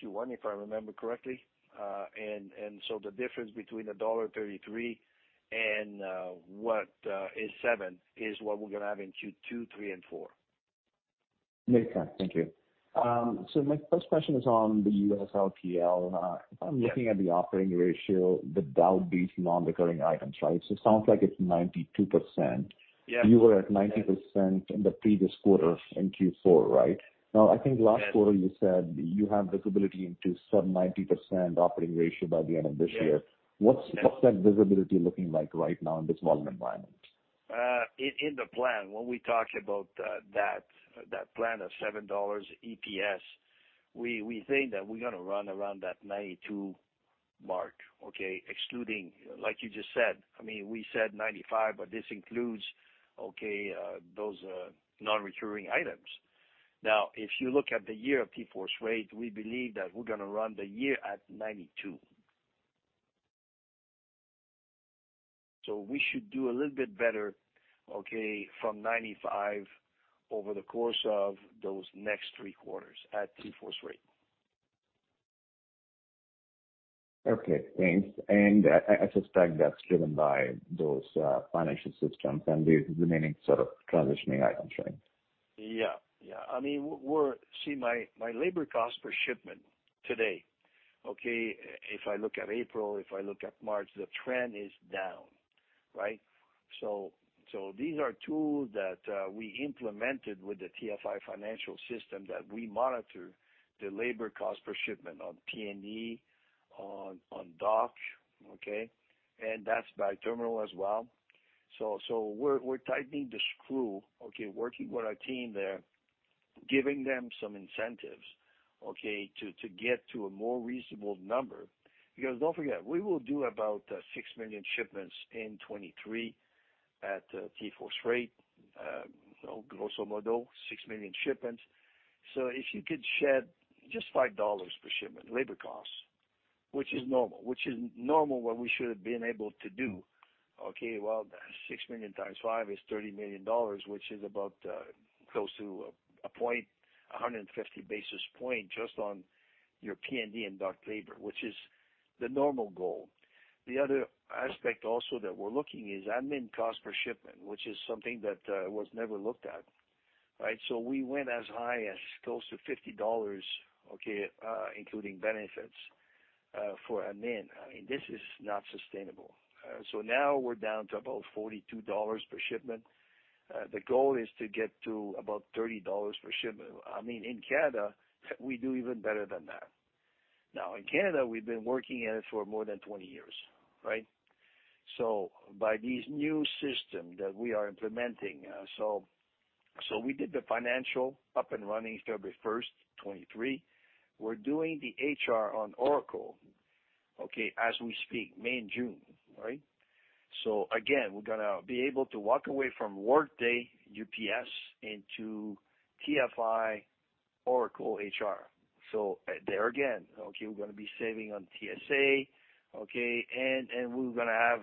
Q1, if I remember correctly. The difference between $1.33 and what is $7 is what we're gonna have in Q2, Q3, and Q4. Makes sense. Thank you. My first question is on the U.S. LTL. Yeah. If I'm looking at the operating ratio without these non-recurring items, right? It sounds like it's 92%. Yeah. You were at 90% in the previous quarter in Q4, right? I think last quarter. Yeah. You said you have visibility into some 90% operating ratio by the end of this year. Yeah. What's that visibility looking like right now in this market environment? In the plan, when we talked about that plan of $7 EPS, we think that we're gonna run around that 92% mark, okay, excluding, like you just said. I mean, we said 95%, but this includes, okay, those non-recurring items. If you look at the year at three-fourths rate, we believe that we're gonna run the year at 92%. We should do a little bit better, okay, from 95% over the course of those next three quarters at three-fourths rate. Okay, thanks. I suspect that's driven by those, financial systems and the remaining sort of transitioning items, right? Yeah. I mean, we're. See, my labor cost per shipment today, okay, if I look at April, if I look at March, the trend is down, right? These are tools that we implemented with the TFI financial system that we monitor the labor cost per shipment on P&D, on dock, okay? And that's by terminal as well. We're tightening the screw, okay, working with our team there, giving them some incentives, okay, to get to a more reasonable number. Don't forget, we will do about 6 million shipments in 2023 at TForce Freight, you know, grosso modo, 6 million shipments. If you could shed just $5 per shipment labor costs, which is normal what we should have been able to do, okay, well, 6 million times 5 is $30 million, which is about close to a point, 150 basis points just on your P&D and dock labor, which is the normal goal. The other aspect also that we're looking is admin cost per shipment, which is something that was never looked at, right? We went as high as close to $50, okay, including benefits, for admin. I mean, this is not sustainable. Now we're down to about $42 per shipment. The goal is to get to about $30 per shipment. I mean, in Canada, we do even better than that. In Canada, we've been working at it for more than 20 years, right? By these new system that we are implementing, so we did the financial up and running February 1st, 2023. We're doing the HR on Oracle, okay, as we speak, May and June, right? Again, we're gonna be able to walk away from Workday into TFI Oracle HR. There again, okay, we're gonna be saving on TSA, okay, and we're gonna have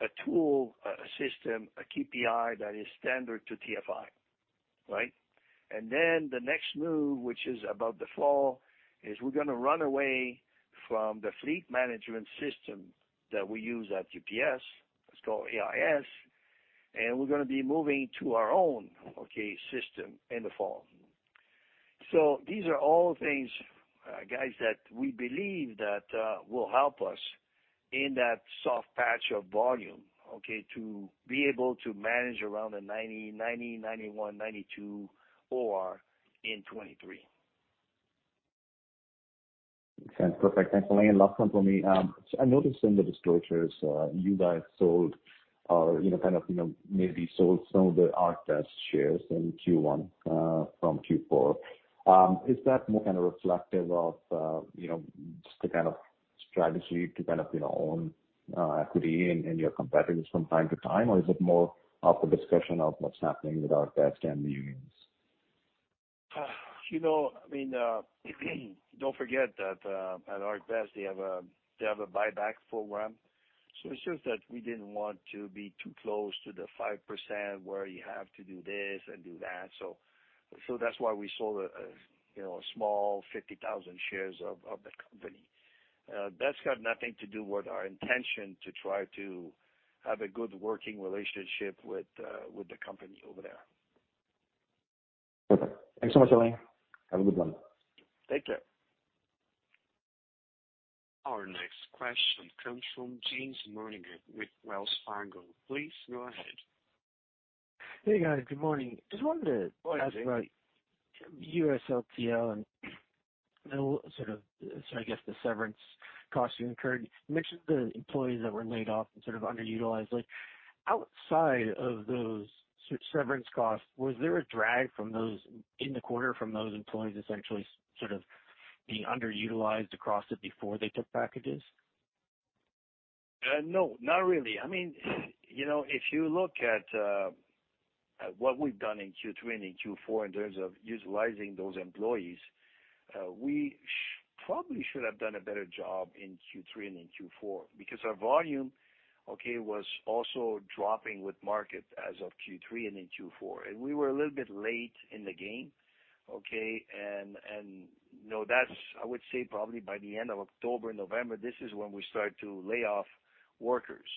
a tool, a system, a KPI that is standard to TFI, right? Then the next move, which is about the fall, is we're gonna run away from the fleet management system that we use at UPS. It's called AIS. We're gonna be moving to our own, okay, system in the fall. These are all things, guys, that we believe that will help us in that soft patch of volume, okay, to be able to manage around the 90%, 91%, 92% OR in 2023. Sounds perfect. Thanks a lot. Last one for me. I noticed in the disclosures, you guys sold or, you know, kind of maybe sold some of the ArcBest shares in Q1 from Q4. Is that more kind of reflective of, you know, just a kind of strategy to, you know, own equity in your competitors from time to time? Or is it more of the discussion of what's happening with ArcBest and the unions? you know, I mean, don't forget that at ArcBest they have a buyback program, so it's just that we didn't want to be too close to the 5% where you have to do this and do that. That's why we sold a, you know, a small 50,000 shares of the company. That's got nothing to do with our intention to try to have a good working relationship with the company over there. Okay. Thanks so much, Alain. Have a good one. Take care. Our next question comes from James Monaghan with Wells Fargo. Please go ahead. Hey, guys. Good morning. Good morning. ask about U.S. LTL and sort of, so I guess the severance costs you incurred. You mentioned the employees that were laid off and sort of underutilized. Like, outside of those severance costs, was there a drag from those in the quarter from those employees essentially sort of being underutilized across it before they took packages? No, not really. I mean, you know, if you look at what we've done in Q2 and in Q4 in terms of utilizing those employees, we probably should have done a better job in Q3 and in Q4 because our volume, okay, was also dropping with market as of Q3 and in Q4. We were a little bit late in the game, okay? No, that's, I would say probably by the end of October, November, this is when we started to lay off workers.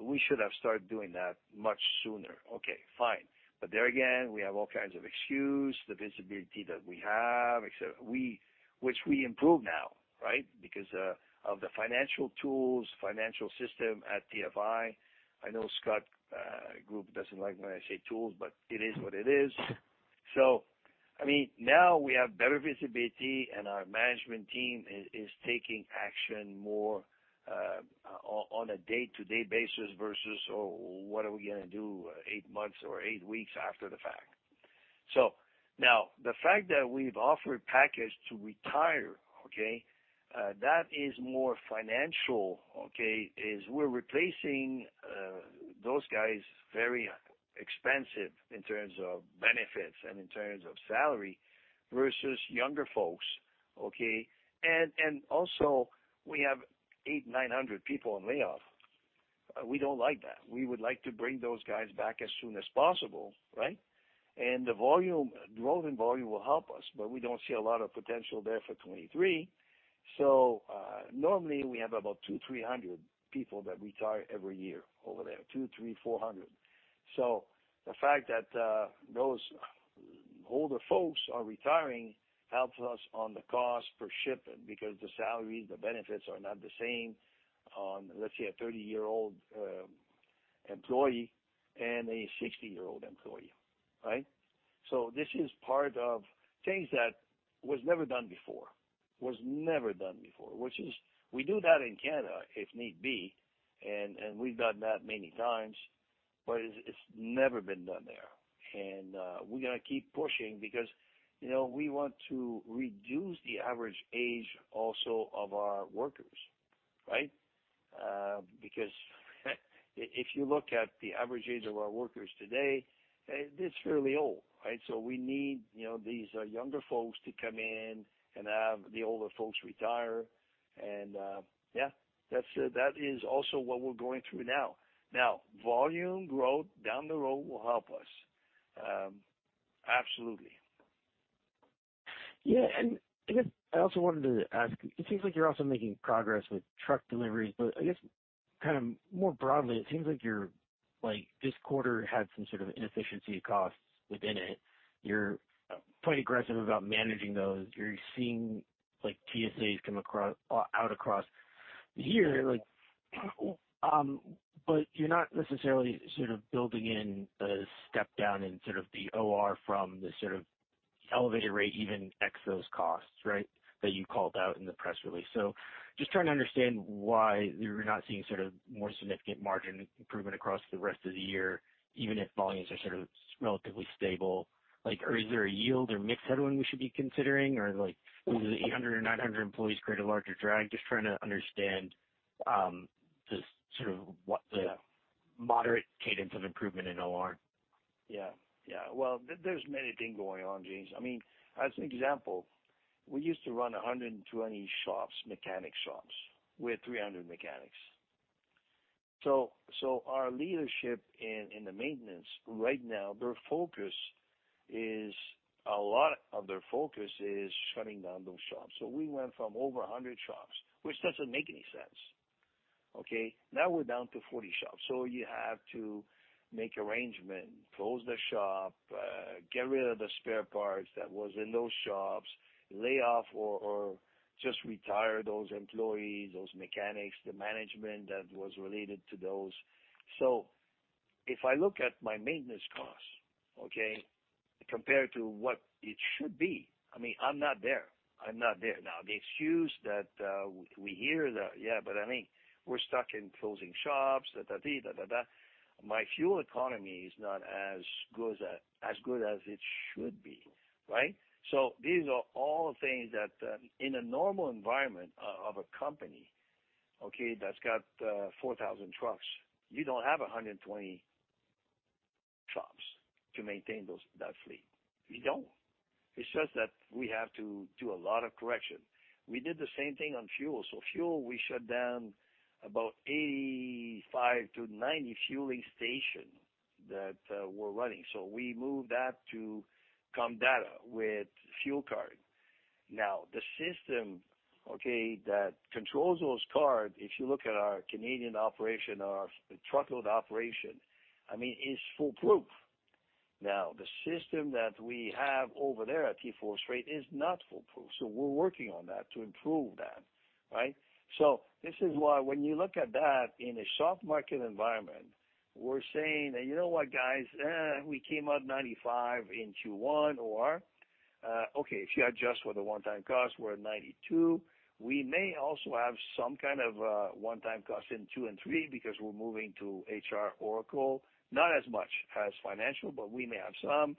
We should have started doing that much sooner. Okay, fine. There again, we have all kinds of excuse, the visibility that we have, et cetera. We, which we improve now, right? Because of the financial tools, financial system at TFI. I know Scott Group doesn't like when I say tools, but it is what it is. I mean, now we have better visibility, and our management team is taking action more on a day-to-day basis versus what are we gonna do eight months or eight weeks after the fact. Now the fact that we've offered package to retire, that is more financial, is we're replacing those guys very expensive in terms of benefits and in terms of salary versus younger folks. Also we have 800-900 people on layoff. We don't like that. We would like to bring those guys back as soon as possible, right? The volume growth in volume will help us, but we don't see a lot of potential there for 2023. Normally we have about 200-300 people that retire every year over there, 200-400. The fact that those older folks are retiring helps us on the cost per shipment because the salaries, the benefits are not the same on, let's say, a 30-year-old employee and a 60-year-old employee, right? This is part of change that was never done before. Was never done before. We do that in Canada, if need be, and we've done that many times, but it's never been done there. We're gonna keep pushing because, you know, we want to reduce the average age also of our workers, right? Because if you look at the average age of our workers today, it's fairly old, right? We need, you know, these younger folks to come in and have the older folks retire and, yeah, that's it. That is also what we're going through now. Volume growth down the road will help us. Absolutely. Yeah. I guess I also wanted to ask, it seems like you're also making progress with truck deliveries. I guess kind of more broadly, it seems like you're, this quarter had some sort of inefficiency costs within it. You're quite aggressive about managing those. You're seeing like TSAs come out across here. You're not necessarily sort of building in a step down in sort of the OR from the sort of elevated rate, even ex those costs, right, that you called out in the press release. Just trying to understand why you're not seeing sort of more significant margin improvement across the rest of the year, even if volumes are sort of relatively stable. Is there a yield or mix headwind we should be considering? Will the 800 or 900 employees create a larger drag? Just trying to understand, the sort of what the moderate cadence of improvement in OR. Yeah. Well, there's many things going on, James. I mean, as an example, we used to run 120 shops, mechanic shops with 300 mechanics. Our leadership in the maintenance right now, a lot of their focus is shutting down those shops. We went from over 100 shops, which doesn't make any sense. Okay, now we're down to 40 shops. You have to make arrangement, close the shop, get rid of the spare parts that was in those shops, lay off or just retire those employees, those mechanics, the management that was related to those. If I look at my maintenance costs, okay, compared to what it should be, I mean, I'm not there. The excuse that we hear that, yeah, but I mean, we're stuck in closing shops. My fuel economy is not as good as it should be, right? These are all things that in a normal environment of a company, okay, that's got 4,000 trucks. You don't have 120 shops to maintain that fleet. You don't. It's just that we have to do a lot of correction. We did the same thing on fuel. Fuel, we shut down about 85-90 fueling stations that were running. We moved that to Comdata with fuel card. The system, okay, that controls those cards, if you look at our Canadian operation, our truckload operation, I mean, it's foolproof. The system that we have over there at TForce Freight is not foolproof. We're working on that to improve that, right? This is why when you look at that in a soft market environment, we're saying that, "You know what, guys? We came up 95% in Q1 or, okay, if you adjust for the one-time cost, we're at 92%." We may also have some kind of one-time cost in Q2 and Q3 because we're moving to HR Oracle. Not as much as financial, but we may have some.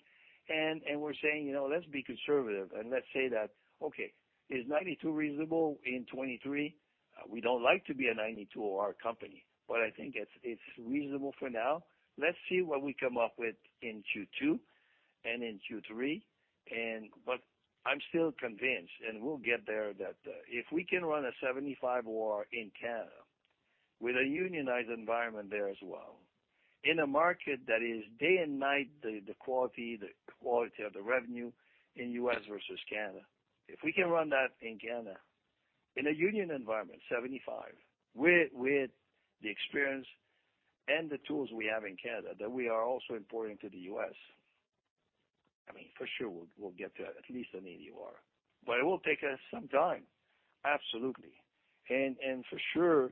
We're saying, you know, let's be conservative and let's say that, okay, is 92% reasonable in 2023? We don't like to be a 92% OR company, but I think it's reasonable for now. Let's see what we come up with in Q2 and in Q3. I'm still convinced and we'll get there, that, if we can run a 75% OR in Canada with a unionized environment there as well, in a market that is day and night, the quality of the revenue in U.S. versus Canada. If we can run that in Canada in a union environment, 75% with the experience and the tools we have in Canada that we are also importing to the U.S., I mean, for sure we'll get to at least an 80% OR. It will take us some time. Absolutely. For sure,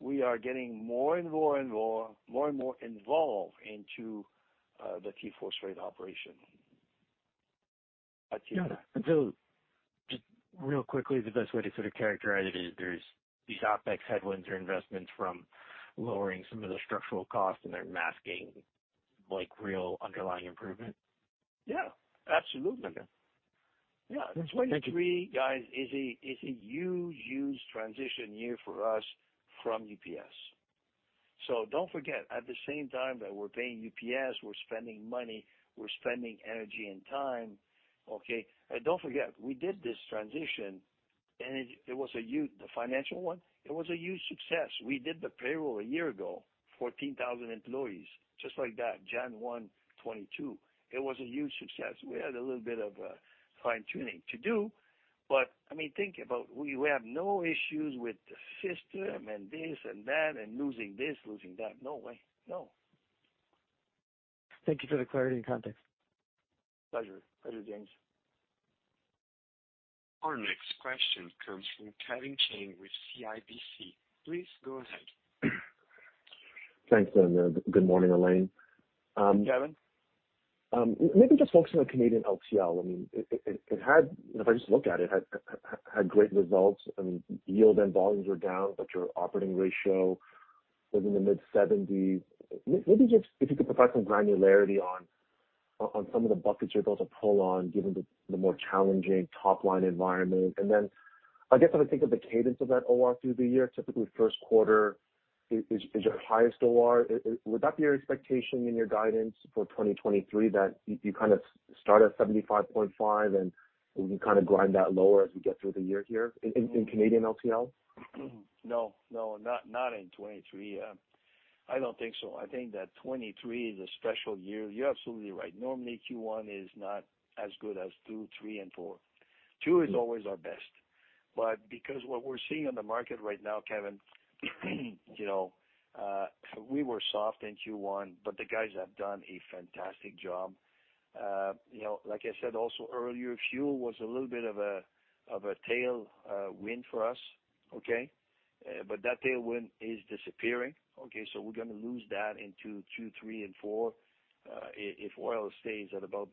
we are getting more and more involved into the TForce Freight operation. Got it. Just real quickly, the best way to sort of characterize it is there's these OpEx headwinds or investments from lowering some of the structural costs and they're masking like real underlying improvement? Yeah, absolutely. Okay. Yeah. Thank you. 2023, guys, is a huge transition year for us from UPS. Don't forget, at the same time that we're paying UPS, we're spending money, we're spending energy and time, okay. Don't forget, we did this transition. The financial one? It was a huge success. We did the payroll a year ago, 14,000 employees, just like that, January 1, 2022. It was a huge success. We had a little bit of fine-tuning to do, but, I mean, think about we have no issues with the system and this and that and losing this, losing that. No way. No. Thank you for the clarity and context. Pleasure. Later, James. Our next question comes from Kevin Chiang with CIBC. Please go ahead. Thanks, good morning, Alain. Kevin. maybe just focusing on Canadian LTL. I mean, it had great results. I mean, yield and volumes were down, but your operating ratio was in the mid-70s. maybe just if you could provide some granularity on some of the buckets you're able to pull on given the more challenging top-line environment. Then I guess I would think of the cadence of that OR through the year. Typically, first quarter is your highest OR. Would that be your expectation in your guidance for 2023, that you kinda start at 75.5%, and we can kinda grind that lower as we get through the year here in Canadian LTL? No. Not in 2023. Yeah. I don't think so. I think that 2023 is a special year. You're absolutely right. Normally, Q1 is not as good as Q2, Q3, and Q4. Q2 is always our best. Because what we're seeing in the market right now, Kevin, you know, we were soft in Q1, but the guys have done a fantastic job. You know, like I said also earlier, fuel was a little bit of a tailwind for us, okay? That tailwind is disappearing, okay, so we're gonna lose that into Q2, Q3, and Q4, if oil stays at about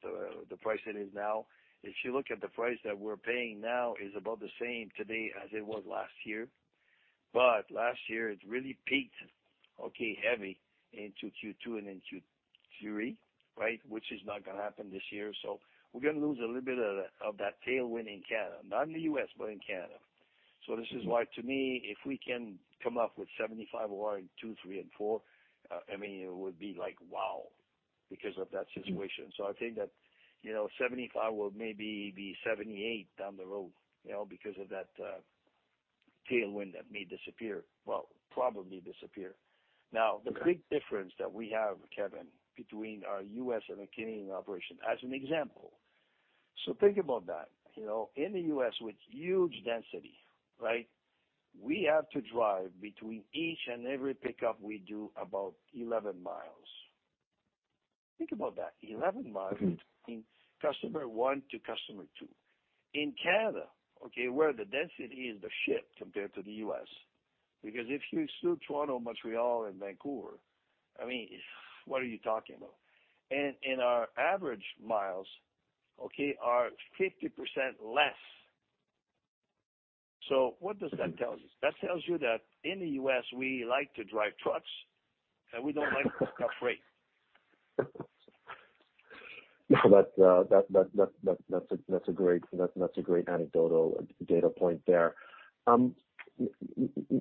the price it is now. If you look at the price that we're paying now, is about the same today as it was last year. Last year, it really peaked, okay, heavy into Q2 and in Q3, right? Is not gonna happen this year, we're gonna lose a little bit of that, of that tailwind in Canada. Not in the U.S., but in Canada. This is why, to me, if we can come up with 75% OR in Q2, Q3, and Q4, I mean, it would be like, wow, because of that situation. I think that, you know, 75% will maybe be 78% down the road, you know, because of that tailwind that may disappear. Well, probably disappear. The big difference that we have, Kevin, between our U.S. and Canadian operation as an example, think about that. You know, in the U.S. with huge density, right, we have to drive between each and every pickup we do about 11 mi. Think about that. 11 mi between customer one to customer two. In Canada, okay, where the density is the shit compared to the U.S. If you exclude Toronto, Montreal, and Vancouver, I mean, what are you talking about? Our average miles, okay, are 50% less. What does that tells us? That tells you that in the U.S., we like to drive trucks, and we don't like to ship freight. That's a great anecdotal data point there.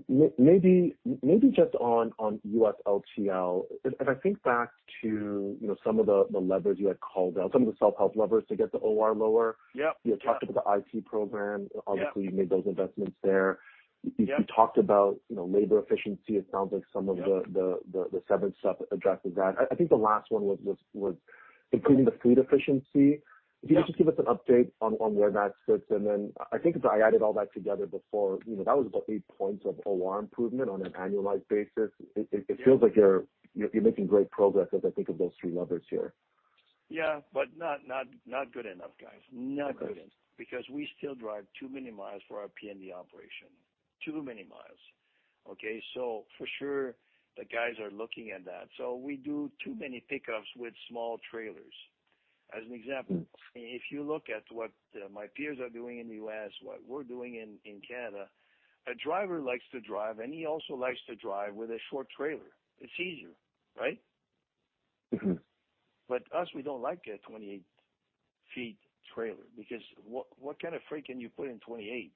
Maybe just on U.S. LTL, as I think back to, you know, some of the levers you had called out, some of the self-help levers to get the OR lower. Yeah. You had talked about the IT program. Yeah. Obviously, you made those investments there. Yeah. You talked about, you know, labor efficiency. It sounds like some of. Yeah. - the severed stuff addresses that. I think the last one was improving the fleet efficiency. If you could just give us an update on where that sits, and then I think if I added all that together before, you know, that was about 8 points of OR improvement on an annualized basis. It feels like you're making great progress as I think of those three levers here. Yeah, but not good enough, guys. Not good enough. We still drive too many miles for our P&D operation. Too many miles. Okay? For sure, the guys are looking at that. We do too many pickups with small trailers. As an example, if you look at what my peers are doing in the U.S., what we're doing in Canada, a driver likes to drive, and he also likes to drive with a short trailer. It's easier, right? Mm-hmm. Us, we don't like a 28 ft trailer because what kind of freight can you put in 28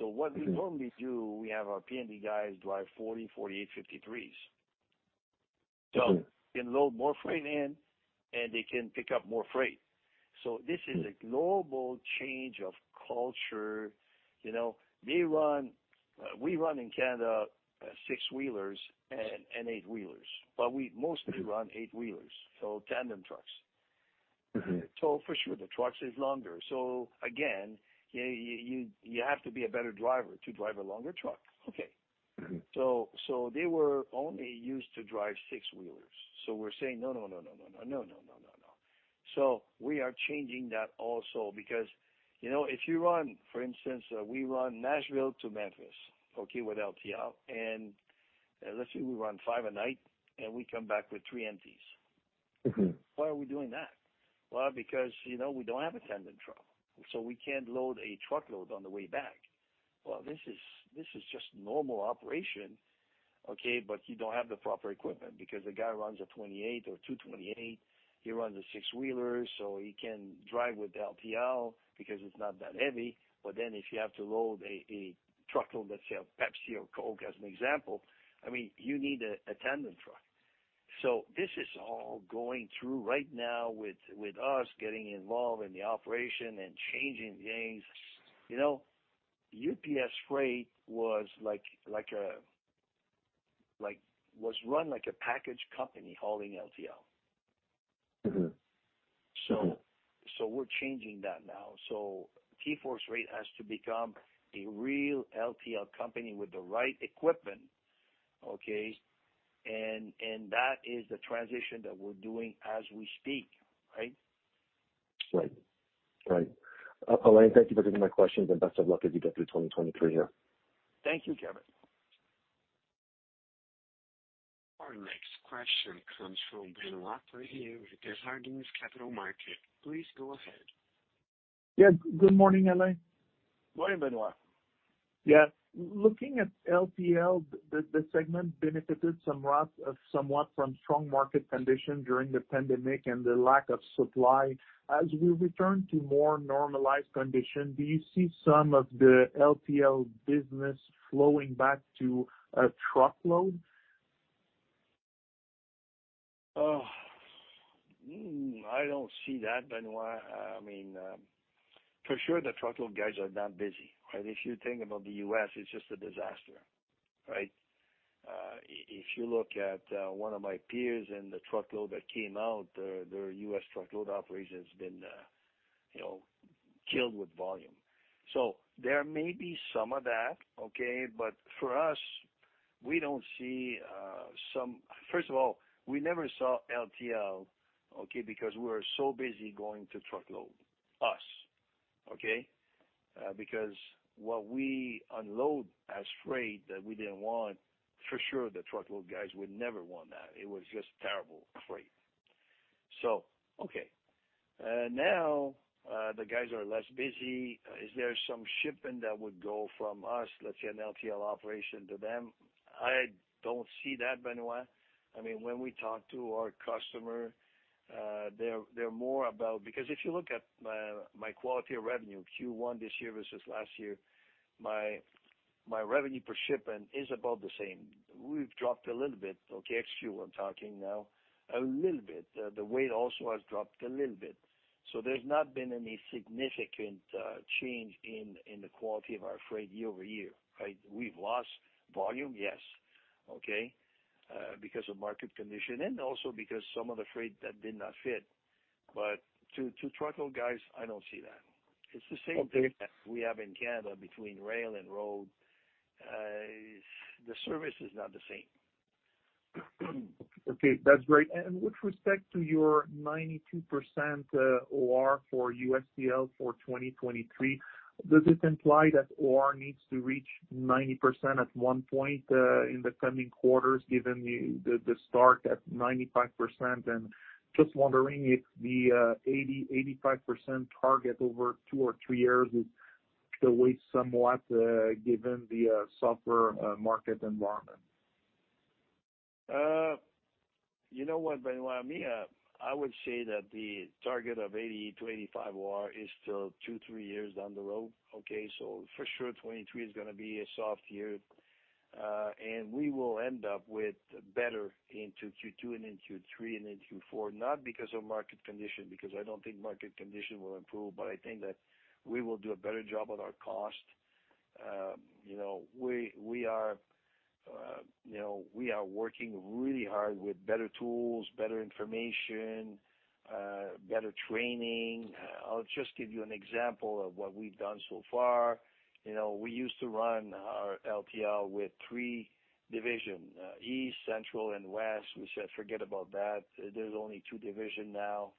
ft? What we normally do, we have our P&D guys drive 40 ft, 48 ft, 53 ft. They load more freight in, and they can pick up more freight. This is a global change of culture. You know, they run. We run in Canada, six-wheelers and eight-wheelers, but we mostly run eight-wheelers, so tandem trucks. Mm-hmm. For sure, the trucks is longer. Again, you have to be a better driver to drive a longer truck, okay. Mm-hmm. They were only used to drive six-wheelers. We're saying, "No, no, no, no, no, no." We are changing that also because, you know, if you run, for instance, we run Nashville to Memphis, okay, with LTL, and let's say we run five a night, and we come back with three empties. Mm-hmm. Why are we doing that? Because, you know, we don't have a tandem truck, so we can't load a truckload on the way back. This is just normal operation, okay, but you don't have the proper equipment because the guy runs a 28 ft or two 28 ft. He runs a six-wheeler, so he can drive with LTL because it's not that heavy. If you have to load a truckload, let's say, of Pepsi or Coke as an example, I mean, you need a tandem truck. This is all going through right now with us getting involved in the operation and changing things. You know, UPS Freight was like a package company hauling LTL. Mm-hmm. Mm-hmm. We're changing that now. TForce Freight has to become a real LTL company with the right equipment, okay? That is the transition that we're doing as we speak, right? Right. Right. Alain, thank you for taking my questions, and best of luck as you go through 2023 here. Thank you, Kevin. Our next question comes from Benoit Poirier with Desjardins Capital Markets. Please go ahead. Good morning, Alain. Morning, Benoit. Yeah. Looking at LTL, the segment benefited somewhat from strong market condition during the pandemic and the lack of supply. As we return to more normalized condition, do you see some of the LTL business flowing back to truckload? I don't see that, Benoit. I mean, for sure the truckload guys are not busy, right? If you think about the U.S., it's just a disaster, right? If you look at one of my peers in the truckload that came out, their U.S. truckload operation has been, you know, killed with volume. There may be some of that, okay? For us, we don't see. First of all, we never saw LTL, okay, because we were so busy going to truckload. Us, okay? Because what we unload as freight that we didn't want, for sure the truckload guys would never want that. It was just terrible freight. Okay. Now, the guys are less busy. Is there some shipping that would go from us, let's say an LTL operation to them? I don't see that, Benoit. I mean, when we talk to our customer, they're more about... Because if you look at my quality of revenue, Q1 this year versus last year, my revenue per shipment is about the same. We've dropped a little bit, okay? Q1 I'm talking now. A little bit. The weight also has dropped a little bit. There's not been any significant change in the quality of our freight year-over-year, right? We've lost volume, yes, okay, because of market condition and also because some of the freight that did not fit. To truckload guys, I don't see that. Okay. It's the same thing that we have in Canada between rail and road. The service is not the same. Okay. That's great. With respect to your 92% OR for USTL for 2023, does this imply that OR needs to reach 90% at one point in the coming quarters given the start at 95%? Just wondering if the 80%-85% target over two or three years is delayed somewhat given the softer market environment? You know what, Benoit? Me, I would say that the target of 80%-85% OR is still two, three years down the road, okay? For sure, 2023 is gonna be a soft year, and we will end up with better into Q2 and in Q3 and in Q4, not because of market condition, because I don't think market condition will improve. I think that we will do a better job on our cost. You know, we are, you know, we are working really hard with better tools, better information, better training. I'll just give you an example of what we've done so far. You know, we used to run our LTL with three division, east, central, and west. We said forget about that. There's only two division now,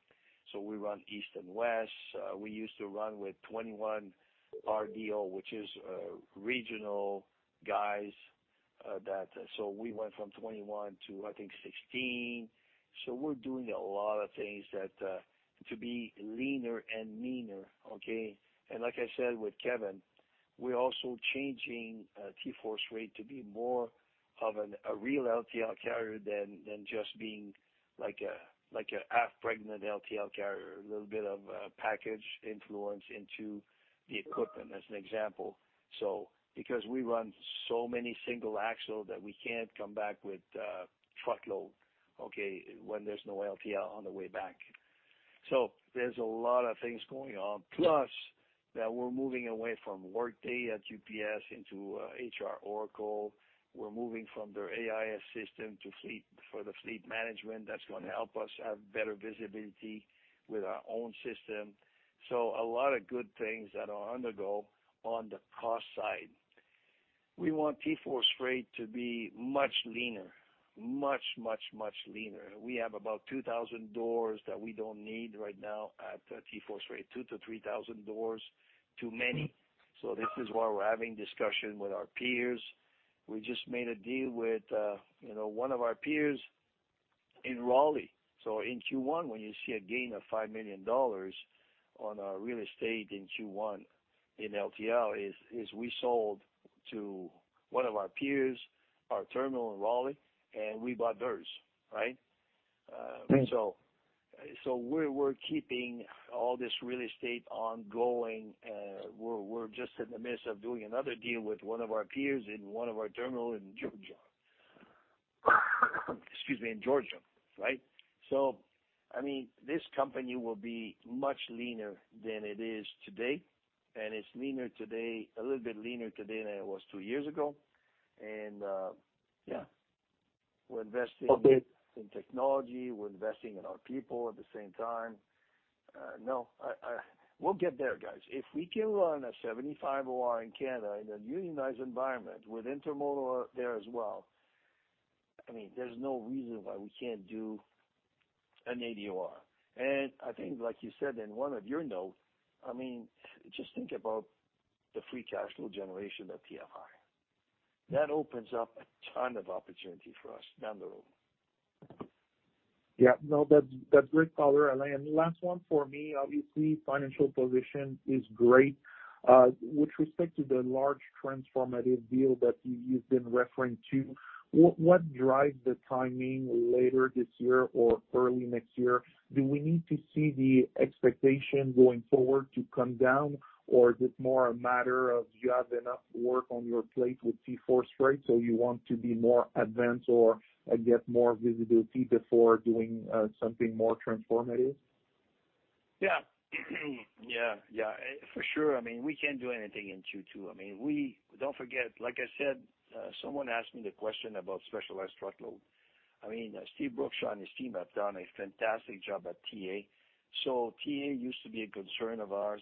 so we run east and west. We used to run with 21 RDO, which is regional guys. We went from 21 to I think 16. We're doing a lot of things that to be leaner and meaner, okay? Like I said with Kevin, we're also changing TForce Freight to be more of a real LTL carrier than just being like a half-pregnant LTL carrier, a little bit of package influence into the equipment as an example. Because we run so many single axle that we can't come back with truckload, okay, when there's no LTL on the way back. There's a lot of things going on. Plus that we're moving away from Workday at UPS into HR Oracle. We're moving from their AIS system to fleet for the fleet management. That's gonna help us have better visibility with our own system. A lot of good things that are undergo on the cost side. We want TForce Freight to be much leaner. Much leaner. We have about 2,000 doors that we don't need right now at TForce Freight, 2,000-3,000 doors too many. This is why we're having discussion with our peers. We just made a deal with, you know, one of our peers in Raleigh. In Q1, when you see a gain of $5 million on our real estate in Q1 in LTL is we sold to one of our peers, our terminal in Raleigh, and we bought theirs, right? We're keeping all this real estate ongoing. We're just in the midst of doing another deal with one of our peers in one of our terminal in Georgia. Excuse me, in Georgia, right? I mean, this company will be much leaner than it is today, and it's leaner today, a little bit leaner today than it was two years ago. Yeah, we're investing Okay. in technology. We're investing in our people at the same time. No, we'll get there, guys. If we can run a 75% OR in Canada in a unionized environment with intermodal there as well, I mean, there's no reason why we can't do an 80% OR. I think like you said in one of your notes, I mean, just think about the free cash flow generation at TFI. That opens up a ton of opportunity for us down the road. Yeah. No, that's great, Alain. Last one for me, obviously, financial position is great. With respect to the large transformative deal that you've been referring to, what drives the timing later this year or early next year? Do we need to see the expectation going forward to come down? Is this more a matter of you have enough work on your plate with TForce Freight, so you want to be more advanced or get more visibility before doing something more transformative? Yeah. Yeah. Yeah. For sure, I mean, we can't do anything in Q2. I mean, we... Don't forget, like I said, someone asked me the question about specialized truckload. I mean, Steven Brookshaw and his team have done a fantastic job at TA. TA used to be a concern of ours.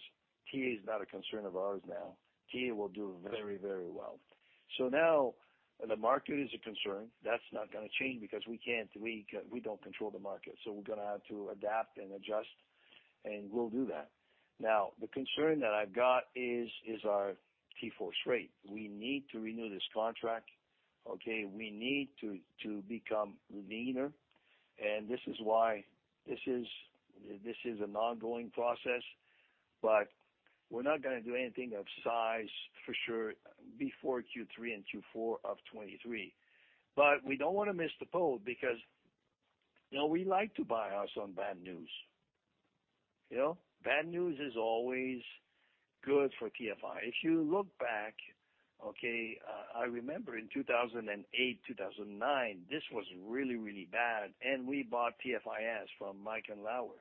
TA is not a concern of ours now. TA will do very, very well. Now the market is a concern. That's not gonna change because we don't control the market, we're gonna have to adapt and adjust, and we'll do that. Now, the concern that I've got is our TForce Freight. We need to renew this contract, okay? We need to become leaner. This is why this is an ongoing process, we're not gonna do anything of size, for sure, before Q3 and Q4 of 2023. We don't want to miss the boat because, you know, we like to buy house on bad news. You know? Bad news is always good for TFI. If you look back, okay, I remember in 2008, 2009, this was really bad, and we bought TFIS from Mike Andlauer,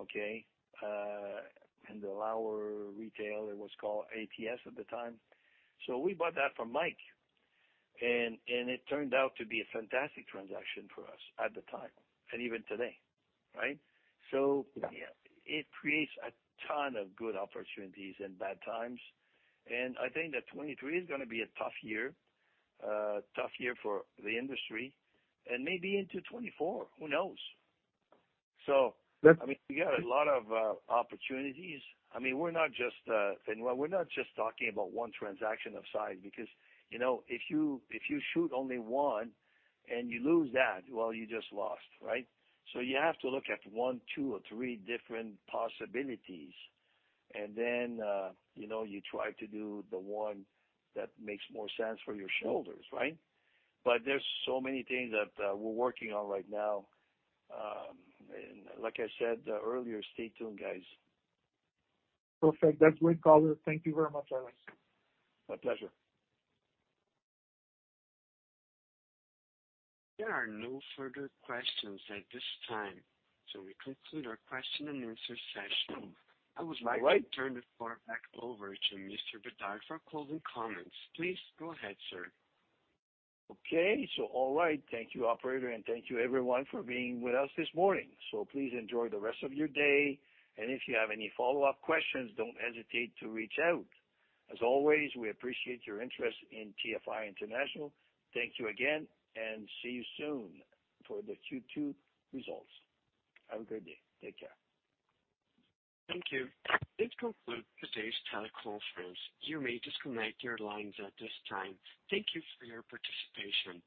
okay? The Andlauer Retail, it was called ATS at the time. We bought that from Mike, and it turned out to be a fantastic transaction for us at the time, and even today, right? Yeah, it creates a ton of good opportunities in bad times. I think that 2023 is going to be a tough year for the industry, and maybe into 2024, who knows? I mean, we got a lot of opportunities. I mean, we're not just, Benoit, we're not just talking about one transaction of size because, you know, if you shoot only one and you lose that, well, you just lost, right? You have to look at one, two, or three different possibilities. You know, you try to do the one that makes more sense for your shareholders, right? There's so many things that we're working on right now. Like I said earlier, stay tuned, guys. Perfect. That's great, Alain. Thank you very much. My pleasure. There are no further questions at this time. We conclude our question and answer session. All right. I would like to turn the floor back over to Mr. Bédard for closing comments. Please go ahead, sir. Okay. All right. Thank you, operator, and thank you everyone for being with us this morning. Please enjoy the rest of your day. If you have any follow-up questions, don't hesitate to reach out. As always, we appreciate your interest in TFI International. Thank you again, and see you soon for the Q2 results. Have a great day. Take care. Thank you. This concludes today's teleconference. You may disconnect your lines at this time. Thank you for your participation.